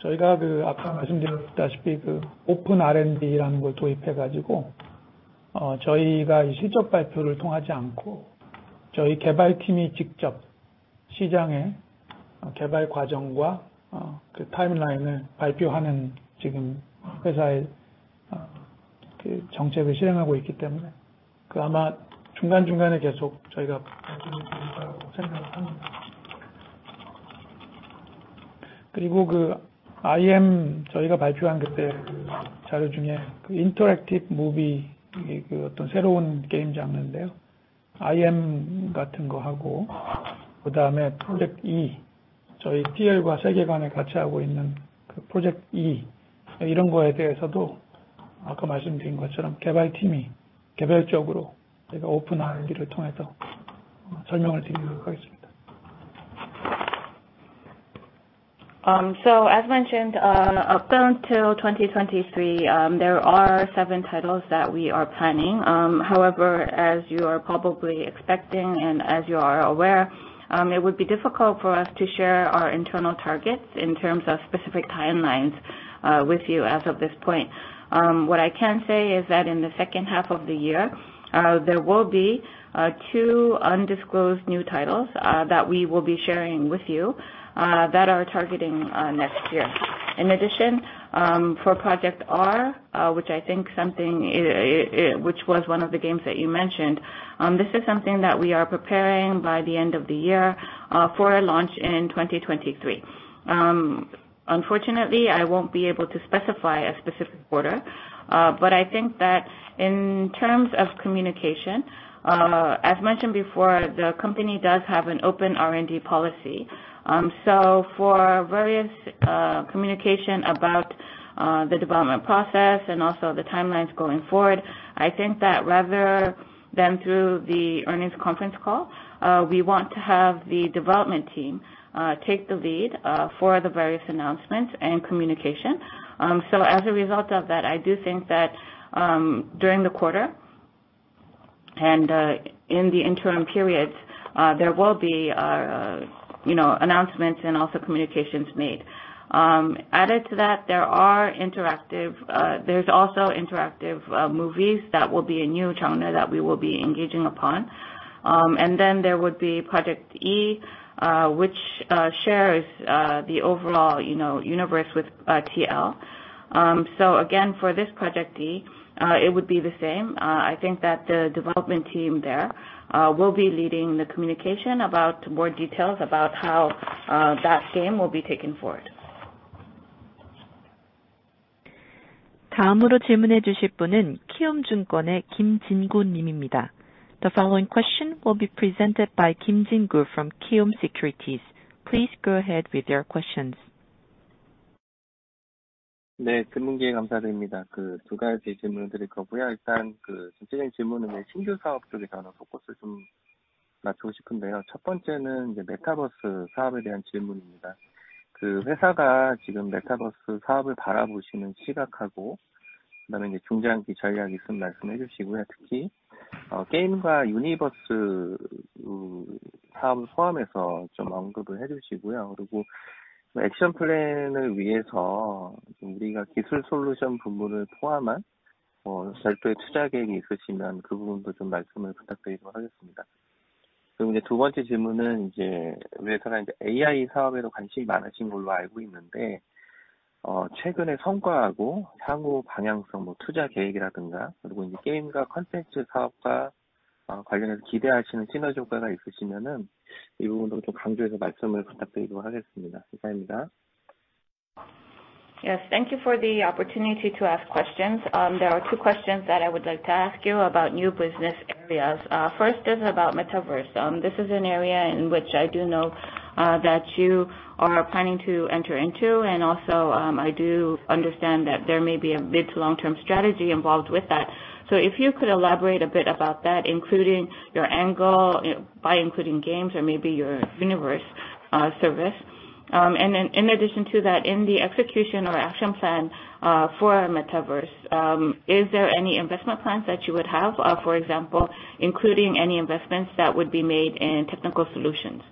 저희가 아까 말씀드렸다시피 Open R&D라는 걸 도입해 가지고, 저희가 이 실적 발표를 통하지 않고 저희 개발팀이 직접 시장에 개발 과정과 그 timeline을 발표하는 지금 회사의 그 정책을 실행하고 있기 때문에 아마 중간중간에 계속 저희가 말씀을 드릴 거라고 생각을 합니다. 그리고 그 IM 저희가 발표한 그때 자료 중에 Interactive Movie, 그 어떤 새로운 게임 장르인데요. IM 같은 거하고 그다음에 Project E, 저희 TL과 세계관을 같이 하고 있는 그 Project E, 이런 거에 대해서도 아까 말씀드린 것처럼 개발팀이 개별적으로 제가 Open R&D를 통해서 설명을 드리도록 하겠습니다. As mentioned, up until 2023, there are seven titles that we are planning. However, as you are probably expecting and as you are aware, it would be difficult for us to share our internal targets in terms of specific timelines with you as of this point. What I can say is that in the second half of the year, there will be two undisclosed new titles that we will be sharing with you that are targeting next year. In addition, for Project R, which was one of the games that you mentioned, this is something that we are preparing by the end of the year for a launch in 2023. Unfortunately, I won't be able to specify a specific quarter, but I think that in terms of communication, as mentioned before, the company does have an Open R&D policy. For various communication about the development process and also the timelines going forward, I think that rather than through the earnings conference call, we want to have the development team take the lead for the various announcements and communication. As a result of that, I do think that during the quarter and in the interim periods, there will be, you know, announcements and also communications made. Added to that, there's also interactive movies that will be a new genre that we will be engaging upon. There would be Project E, which shares the overall, you know, UNIVERSE with TL. Again, for this Project E, it would be the same. I think that the development team there will be leading the communication about more details about how that game will be taken forward. The following question will be presented by Kim Jin-gu from Kiwoom Securities. Please go ahead with your questions. 네, 질문 기회 감사드립니다. 두 가지 질문을 드릴 거고요. 일단 전체적인 질문은 신규 사업 쪽에 저는 포커스를 좀 맞추고 싶은데요. 첫 번째는 Metaverse 사업에 대한 질문입니다. 회사가 지금 Metaverse 사업을 바라보시는 시각하고 그다음에 중장기 전략이 있으면 말씀해 주시고요. 특히 게임과 UNIVERSE 사업을 포함해서 좀 언급을 해주시고요. 그리고 액션 플랜을 위해서 기술 솔루션 부분을 포함한 별도의 투자 계획이 있으시면 그 부분도 좀 말씀을 부탁드리도록 하겠습니다. 그리고 두 번째 질문은 회사가 AI 사업에도 관심이 많으신 걸로 알고 있는데, 최근의 성과하고 향후 방향성, 투자 계획이라든가, 그리고 게임과 콘텐츠 사업과 관련해서 기대하시는 시너지 효과가 있으시면 이 부분도 좀 강조해서 말씀을 부탁드리도록 하겠습니다. 감사합니다. Yes, thank you for the opportunity to ask questions. There are two questions that I would like to ask you about new business areas. First is about Metaverse. This is an area in which I do know that you are planning to enter into. I do understand that there may be a mid- to long-term strategy involved with that. If you could elaborate a bit about that, including your angle by including games or maybe your Universe service. In addition to that, in the execution or action plan for Metaverse, is there any investment plans that you would have, for example, including any investments that would be made in technical solutions?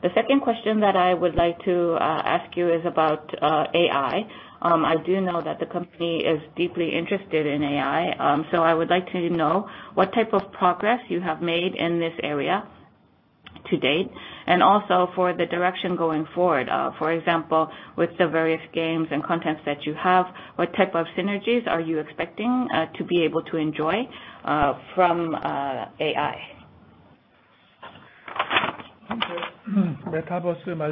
The second question that I would like to ask you is about AI. I do know that the company is deeply interested in AI, so I would like to know what type of progress you have made in this area to date and also for the direction going forward. For example, with the various games and contents that you have, what type of synergies are you expecting to be able to enjoy from AI? Metaverse, this is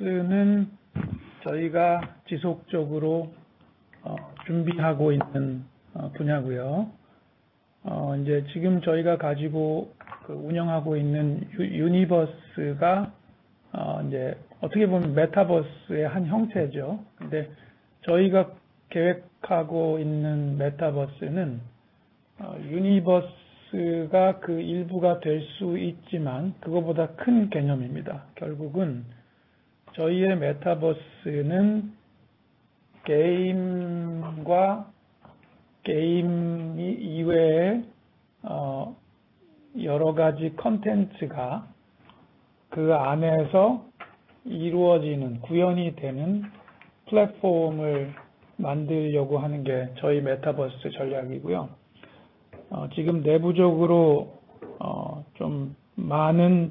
an area that we continue to prepare. Of course, in terms of what we're operating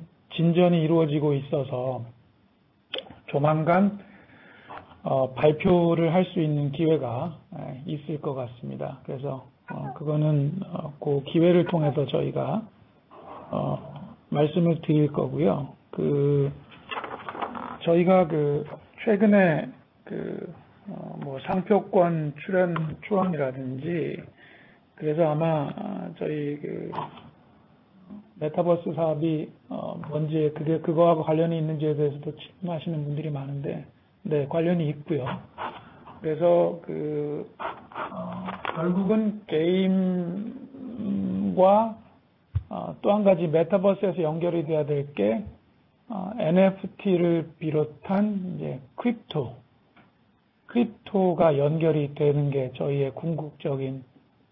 right now, we do have Universe,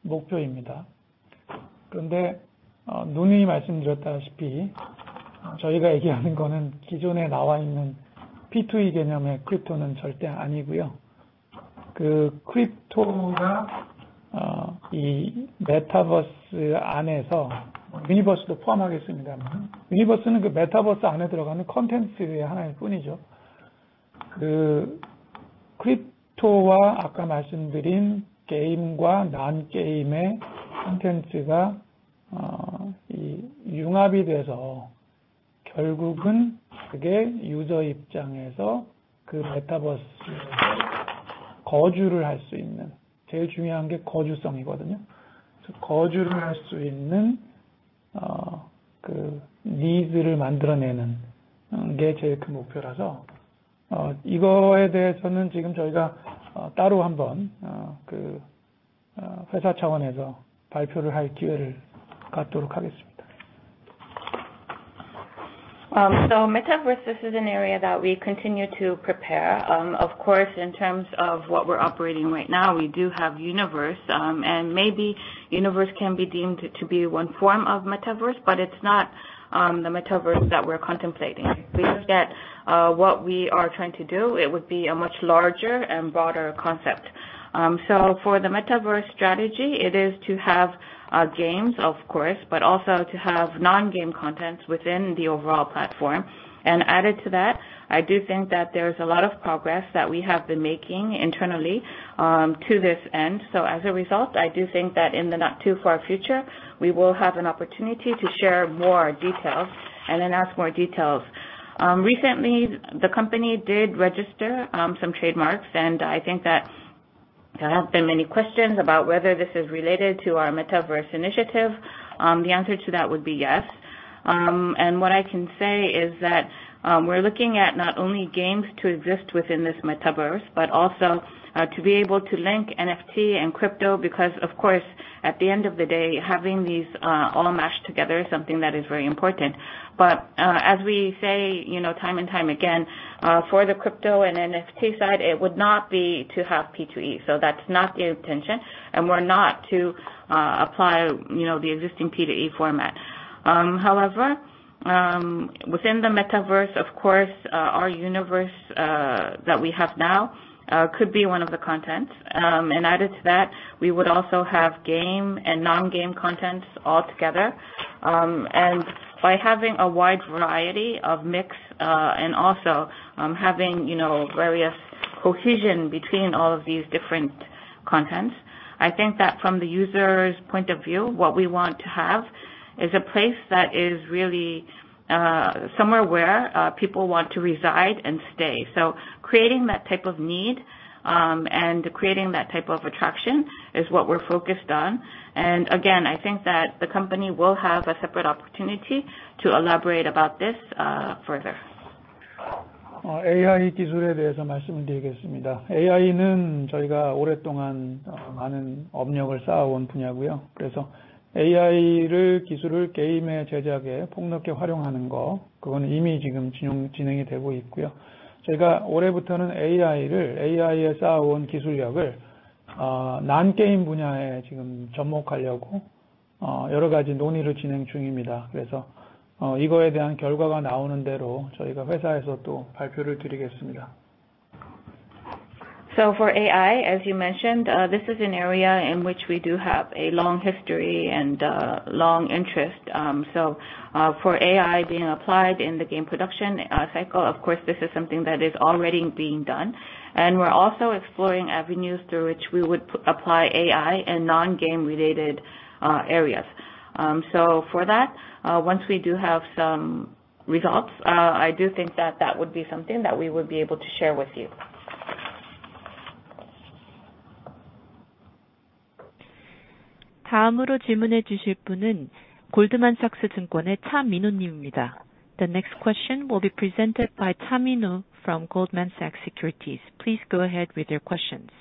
and maybe Universe can be deemed to be one form of Metaverse, but it's not the Metaverse that we're contemplating. We look at what we are trying to do, it would be a much larger and broader concept. For the Metaverse strategy, it is to have games of course, but also to have non-game content within the overall platform. Added to that, I do think that there's a lot of progress that we have been making internally to this end. As a result, I do think that in the not too far future, we will have an opportunity to share more details and announce more details. Recently the company did register some trademarks, and I think that there have been many questions about whether this is related to our Metaverse initiative. The answer to that would be yes. What I can say is that we're looking at not only games to exist within this Metaverse, but also to be able to link NFT and crypto because of course, at the end of the day, having these all mashed together is something that is very important. As we say, you know, time and time again, for the crypto and NFT side, it would not be to have P2E. That's not the intention, and we're not to apply, you know, the existing P2E format. However, within the Metaverse, of course, our Universe that we have now could be one of the content. Added to that, we would also have game and non-game content all together. By having a wide variety of mix and also having you know various cohesion between all of these different contents, I think that from the user's point of view, what we want to have is a place that is really somewhere where people want to reside and stay. Creating that type of need and creating that type of attraction is what we're focused on. Again, I think that the company will have a separate opportunity to elaborate about this further. For AI, as you mentioned, this is an area in which we do have a long history and long interest. For AI being applied in the game production cycle, of course this is something that is already being done, and we're also exploring avenues through which we would apply AI in non-game related areas. For that, once we do have some results, I do think that would be something that we would be able to share with you. The next question will be presented by Cha Min-woo from Goldman Sachs Securities. Please go ahead with your questions.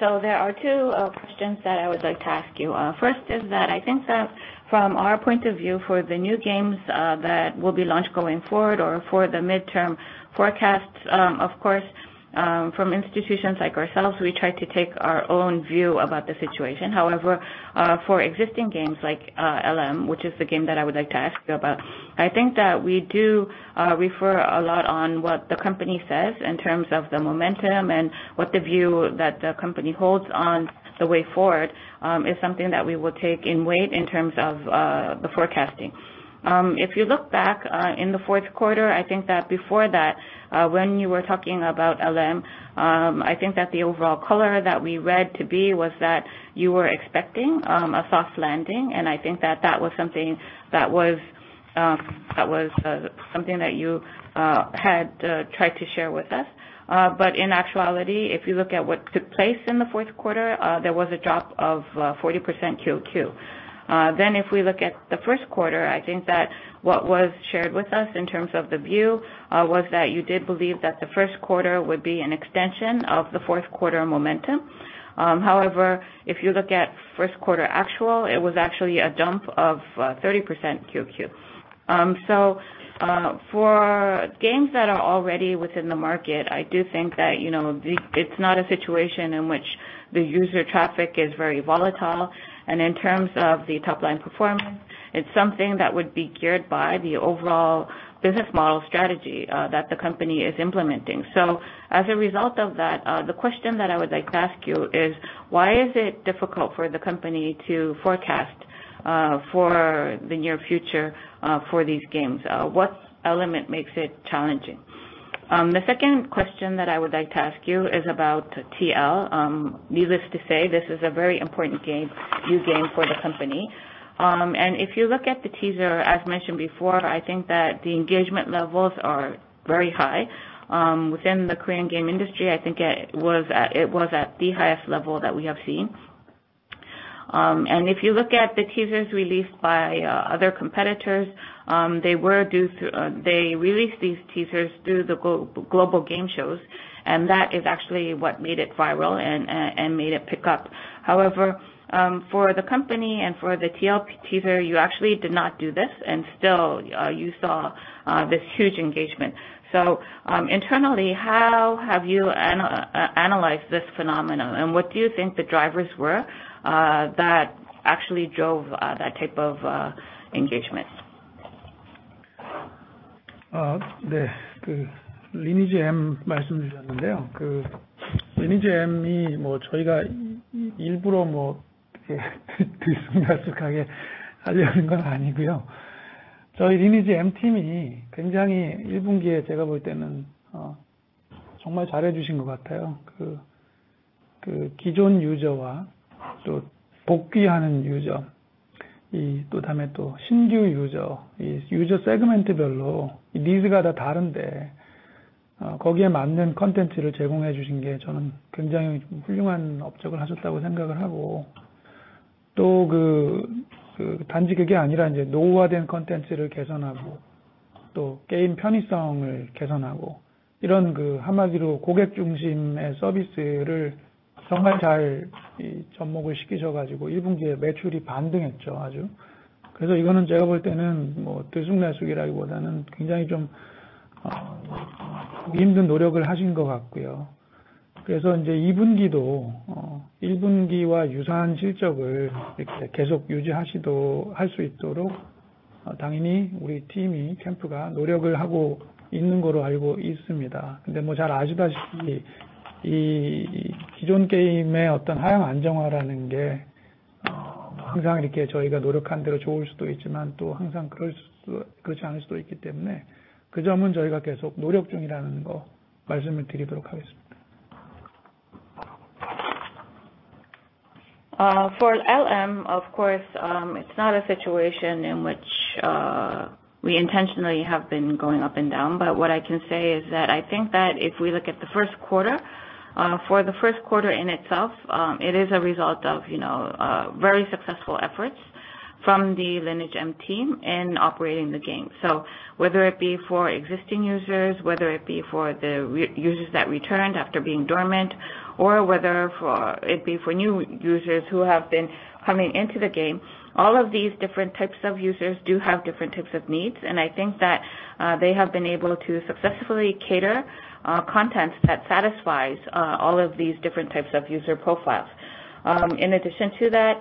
There are two questions that I would like to ask you. First is that I think that from our point of view, for the new games, that will be launched going forward or for the midterm forecasts, of course, from institutions like ourselves, we try to take our own view about the situation. However, for existing games like LM, which is the game that I would like to ask you about, I think that we do refer a lot on what the company says in terms of the momentum and what the view that the company holds on the way forward, is something that we will take in weight in terms of the forecasting. If you look back in the fourth quarter, I think that before that, when you were talking about LM, I think that the overall color that we read to be was that you were expecting a soft landing. I think that was something that you had tried to share with us. In actuality, if you look at what took place in the fourth quarter, there was a drop of 40% QoQ. If we look at the first quarter, I think that what was shared with us in terms of the view was that you did believe that the first quarter would be an extension of the fourth quarter momentum. However, if you look at first quarter actual, it was actually a drop of 30% QoQ. For games that are already within the market, I do think that, you know, it's not a situation in which the user traffic is very volatile. In terms of the top line performance, it's something that would be geared by the overall business model strategy that the company is implementing. As a result of that, the question that I would like to ask you is: Why is it difficult for the company to forecast for the near future for these games? What element makes it challenging? The second question that I would like to ask you is about TL. Needless to say, this is a very important game, new game for the company. If you look at the teaser, as mentioned before, I think that the engagement levels are very high. Within the Korean game industry, I think it was at the highest level that we have seen. If you look at the teasers released by other competitors, they released these teasers through the global game shows, and that is actually what made it viral and made it pick up. However, for the company and for the TL teaser, you actually did not do this, and still, you saw this huge engagement. Internally, how have you analyzed this phenomenon and what do you think the drivers were that actually drove that type of engagement? 이거는 제가 볼 때는 굉장히 좀 힘든 노력을 하신 것 같고요. 이제 이 분기도 1분기와 유사한 실적을 이렇게 계속 유지하실 수 있도록 당연히 우리 팀이 캠프가 노력을 하고 있는 걸로 알고 있습니다. 잘 아시다시피 이 기존 게임의 어떤 하향 안정화라는 게 항상 이렇게 저희가 노력한 대로 좋을 수도 있지만, 또 항상 그렇지 않을 수도 있기 때문에 그 점은 저희가 계속 노력 중이라는 거 말씀을 드리도록 하겠습니다. For LM, of course, it's not a situation in which we intentionally have been going up and down. What I can say is that I think that if we look at the first quarter, for the first quarter in itself, it is a result of, you know, very successful efforts from the Lineage M team in operating the game. Whether it be for existing users, whether it be for the re-users that returned after being dormant, or whether it be for new users who have been coming into the game, all of these different types of users do have different types of needs, and I think that they have been able to successfully cater content that satisfies all of these different types of user profiles. In addition to that,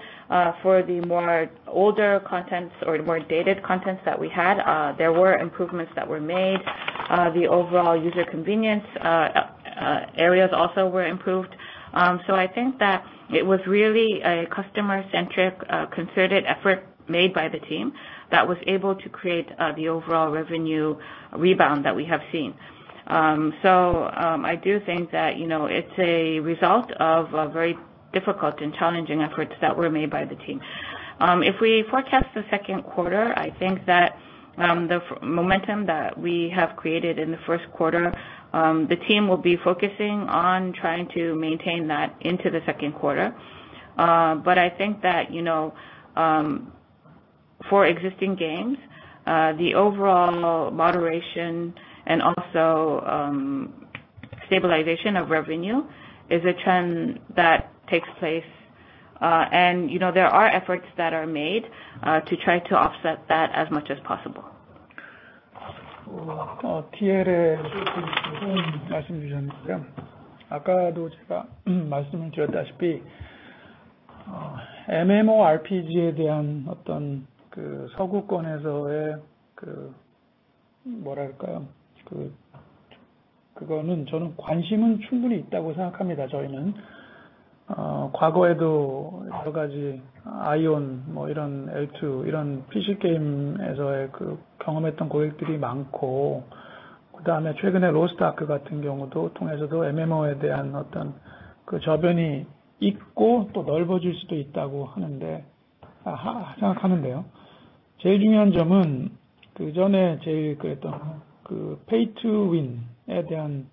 for the more older contents or more dated contents that we had, there were improvements that were made. The overall user convenience areas also were improved. I think that it was really a customer centric concerted effort made by the team that was able to create the overall revenue rebound that we have seen. I do think that, you know, it's a result of a very difficult and challenging efforts that were made by the team. If we forecast the second quarter, I think that the momentum that we have created in the first quarter, the team will be focusing on trying to maintain that into the second quarter. I think that, you know, for existing games, the overall moderation and also, stabilization of revenue is a trend that takes place. You know, there are efforts that are made to try to offset that as much as possible. TL에 말씀 주셨는데요. 아까도 제가 말씀을 드렸다시피 MMORPG에 대한 서구권에서의 관심은 충분히 있다고 생각합니다, 저희는. 과거에도 여러 가지 Aion, L2 이런 PC 게임에서 경험했던 고객들이 많고, 최근에 Lost Ark 같은 경우도 통해서 MMO에 대한 저변이 있고 또 넓어질 수도 있다고 생각하는데요. 제일 중요한 점은 그 전에 제일 그랬던 pay to win에 대한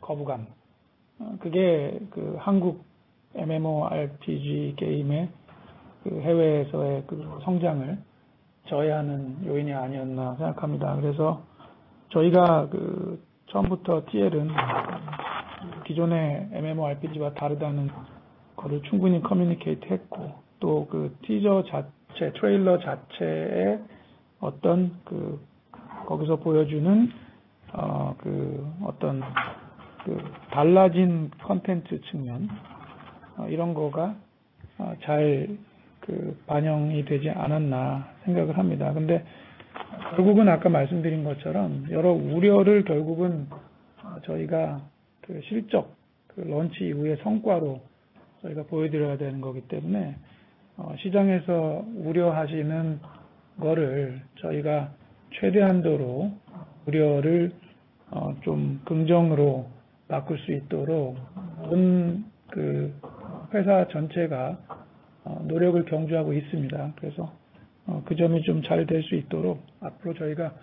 거부감, 그게 한국 MMORPG 게임의 해외에서의 성장을 저해하는 요인이 아니었나 생각합니다. 그래서 저희가 처음부터 TL은 기존의 MMORPG와 다르다는 거를 충분히 communicate 했고, 또 teaser 자체 trailer 자체의 달라진 content 측면, 이런 거가 잘 반영이 되지 않았나 생각을 합니다. 결국은 아까 말씀드린 것처럼 여러 우려를 결국은 저희가 그 실적, 그 론치 이후의 성과로 저희가 보여드려야 되는 거기 때문에, 시장에서 우려하시는 거를 저희가 최대한도로 우려를 긍정으로 바꿀 수 있도록 온그 회사 전체가 노력을 경주하고 있습니다. 그래서 그 점이 좀잘될수 있도록 앞으로 저희가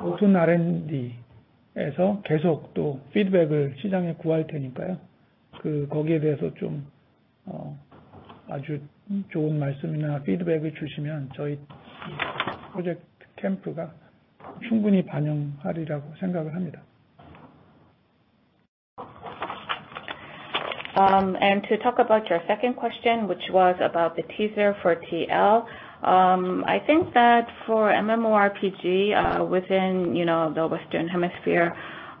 모든 R&D에서 계속 또 feedback을 시장에 구할 테니까요. 거기에 대해서 좀 아주 좋은 말씀이나 feedback을 주시면 저희 project 캠프가 충분히 반영하리라고 생각을 합니다. To talk about your second question, which was about the teaser for TL. I think that for MMORPG, within, you know, the Western hemisphere,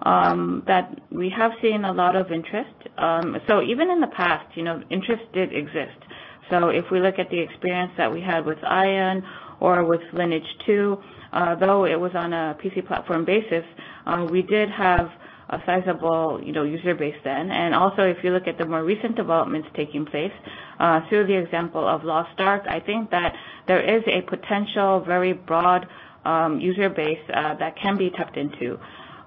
that we have seen a lot of interest. Even in the past, you know, interest did exist. So if we look at the experience that we had with Aion or with Lineage II, though it was on a PC platform basis, we did have a sizable, you know, user base then. Also if you look at the more recent developments taking place, through the example of Lost Ark, I think that there is a potential very broad, user base that can be tapped into.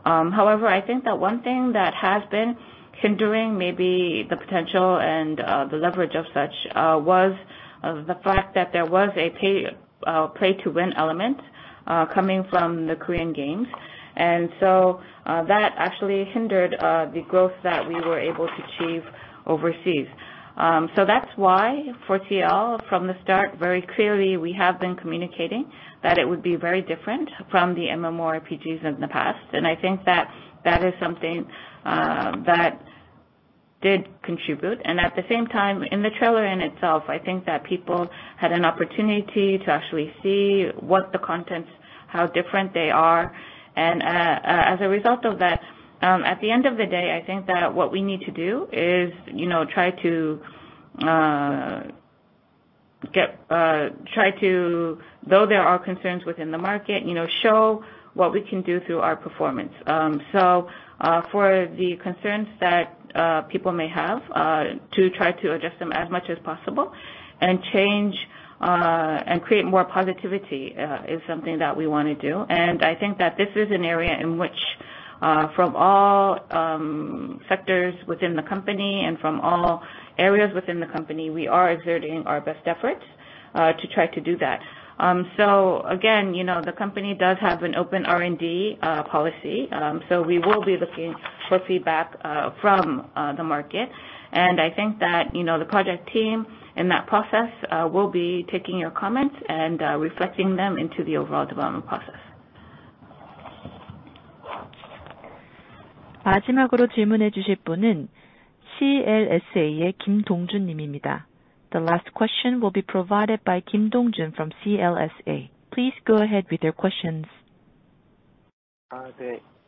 However, I think that one thing that has been hindering maybe the potential and the leverage of such was the fact that there was a pay to win element coming from the Korean games. That actually hindered the growth that we were able to achieve overseas. That's why for TL from the start, very clearly, we have been communicating that it would be very different from the MMORPGs in the past. I think that that is something that did contribute. At the same time, in the trailer in itself, I think that people had an opportunity to actually see what the contents, how different they are. As a result of that, at the end of the day, I think that what we need to do is, you know, try to, though there are concerns within the market, you know, show what we can do through our performance. For the concerns that people may have, to try to address them as much as possible and change and create more positivity is something that we wanna do. I think that this is an area in which, from all sectors within the company and from all areas within the company, we are exerting our best efforts to try to do that. Again, you know, the company does have an Open R&D policy, so we will be looking for feedback from the market. I think that, you know, the project team in that process will be taking your comments and reflecting them into the overall development process.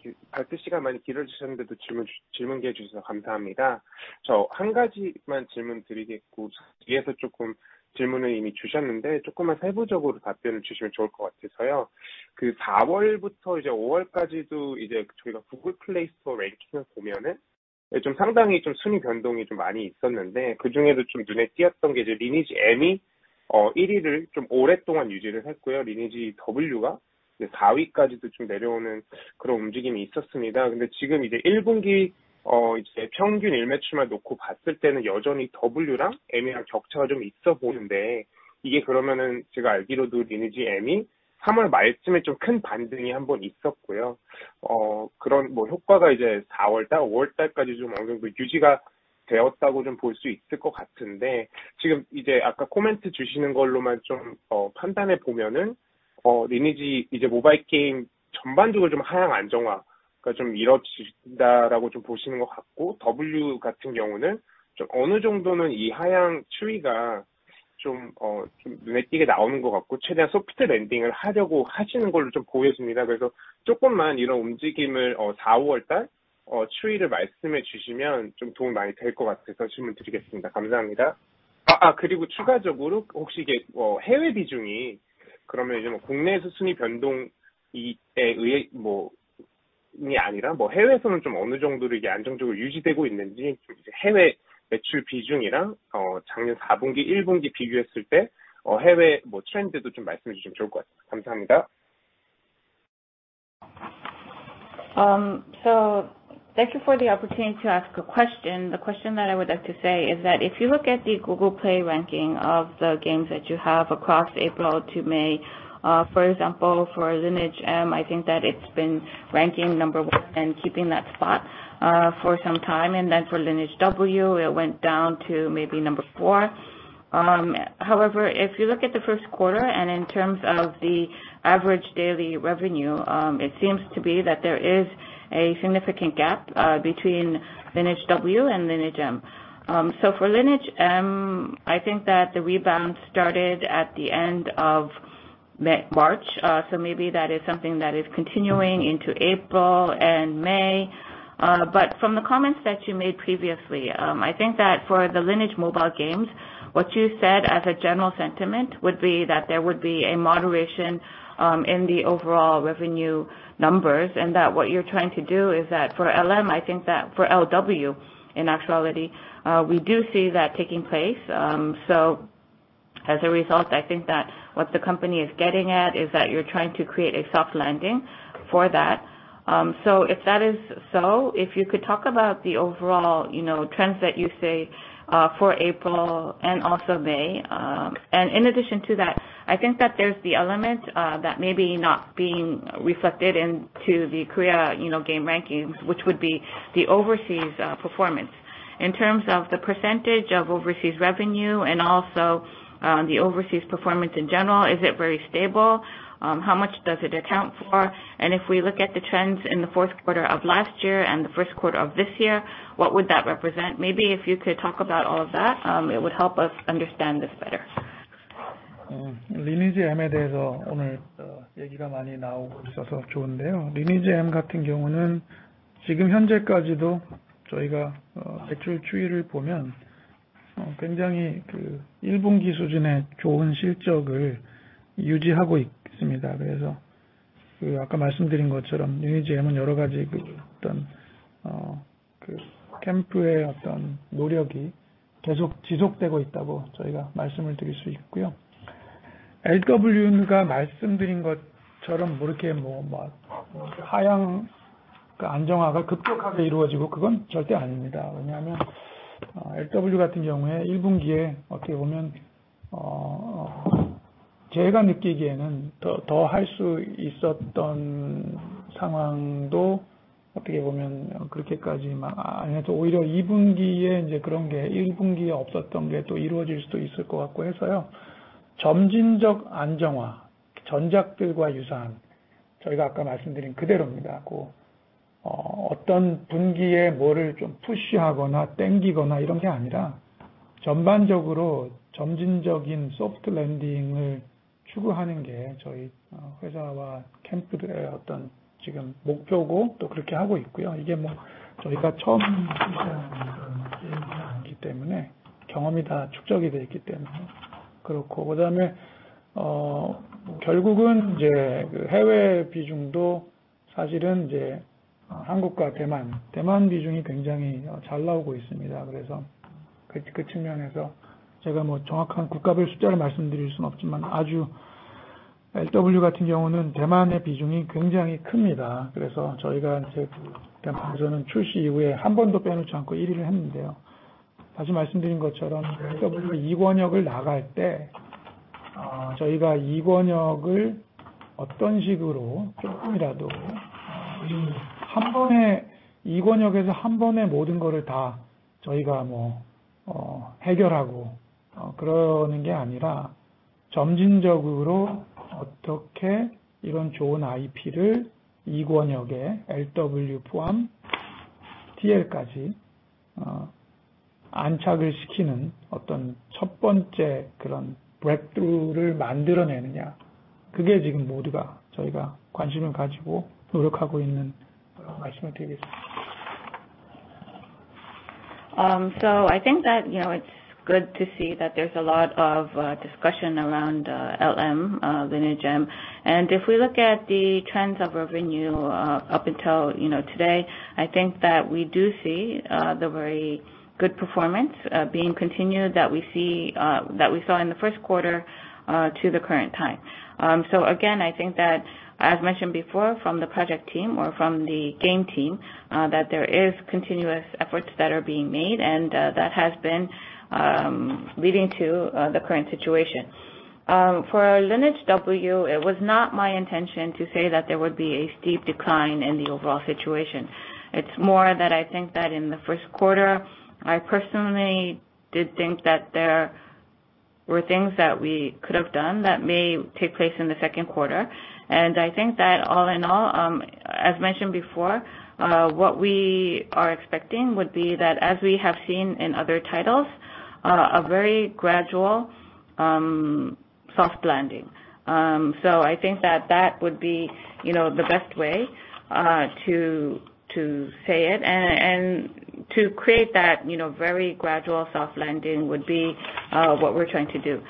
The last question will be provided by Kim Dong Jun from CLSA. Please go ahead with your questions. Thank you for the opportunity to ask a question. The question that I would like to say is that if you look at the Google Play ranking of the games that you have across April to May, for example, for Lineage M, I think that it's been ranking number one and keeping that spot, for some time, and then for Lineage W, it went down to maybe number four. However, if you look at the first quarter and in terms of the average daily revenue, it seems to be that there is a significant gap, between Lineage W and Lineage M. For Lineage M, I think that the rebound started at the end of March, so maybe that is something that is continuing into April and May. From the comments that you made previously, I think that for the Lineage mobile games, what you said as a general sentiment would be that there would be a moderation in the overall revenue numbers and that what you're trying to do is that for LM. I think that for LW in actuality, we do see that taking place. As a result, I think that what the company is getting at is that you're trying to create a soft landing for that. If that is so, if you could talk about the overall, you know, trends that you see for April and also May. In addition to that, I think that there's the element that may not be being reflected in the Korean, you know, game rankings, which would be the overseas performance. In terms of the percentage of overseas revenue and also, the overseas performance in general, is it very stable? How much does it account for? If we look at the trends in the fourth quarter of last year and the first quarter of this year, what would that represent? Maybe if you could talk about all of that, it would help us understand this better. I think that, you know, it's good to see that there's a lot of discussion around LM, Lineage M. If we look at the trends of revenue up until, you know, today, I think that we do see the very good performance being continued that we saw in the first quarter to the current time. Again, I think that as mentioned before from the project team or from the game team that there is continuous efforts that are being made and that has been leading to the current situation. For Lineage W, it was not my intention to say that there would be a steep decline in the overall situation. It's more that I think that in the first quarter, I personally did think that there were things that we could have done that may take place in the second quarter. I think that all in all, as mentioned before, what we are expecting would be that as we have seen in other titles, a very gradual, soft landing. I think that would be, you know, the best way to say it and to create that, you know, very gradual soft landing would be what we're trying to do.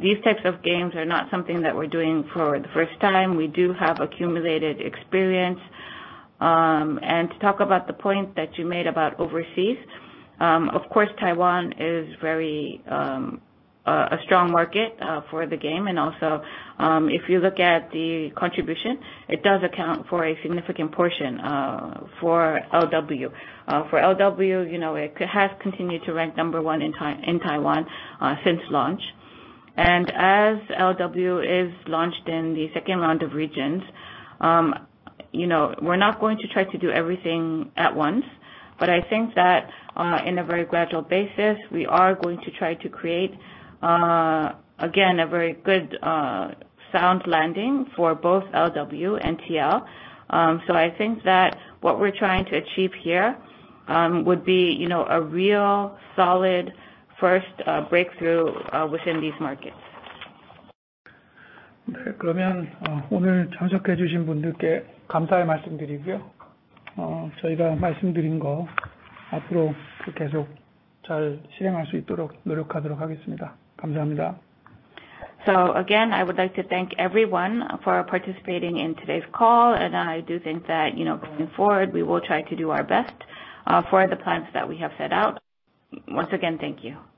These types of games are not something that we're doing for the first time. We do have accumulated experience. To talk about the point that you made about overseas, of course, Taiwan is very a strong market for the game. Also, if you look at the contribution, it does account for a significant portion for LW. For LW, you know, it has continued to rank number one in Taiwan since launch. As LW is launched in the second round of regions, you know, we're not going to try to do everything at once, but I think that in a very gradual basis, we are going to try to create again a very good sound landing for both LW and TL. I think that what we're trying to achieve here would be you know a real solid first breakthrough within these markets. Again, I would like to thank everyone for participating in today's call, and I do think that, you know, going forward, we will try to do our best for the plans that we have set out. Once again, thank you.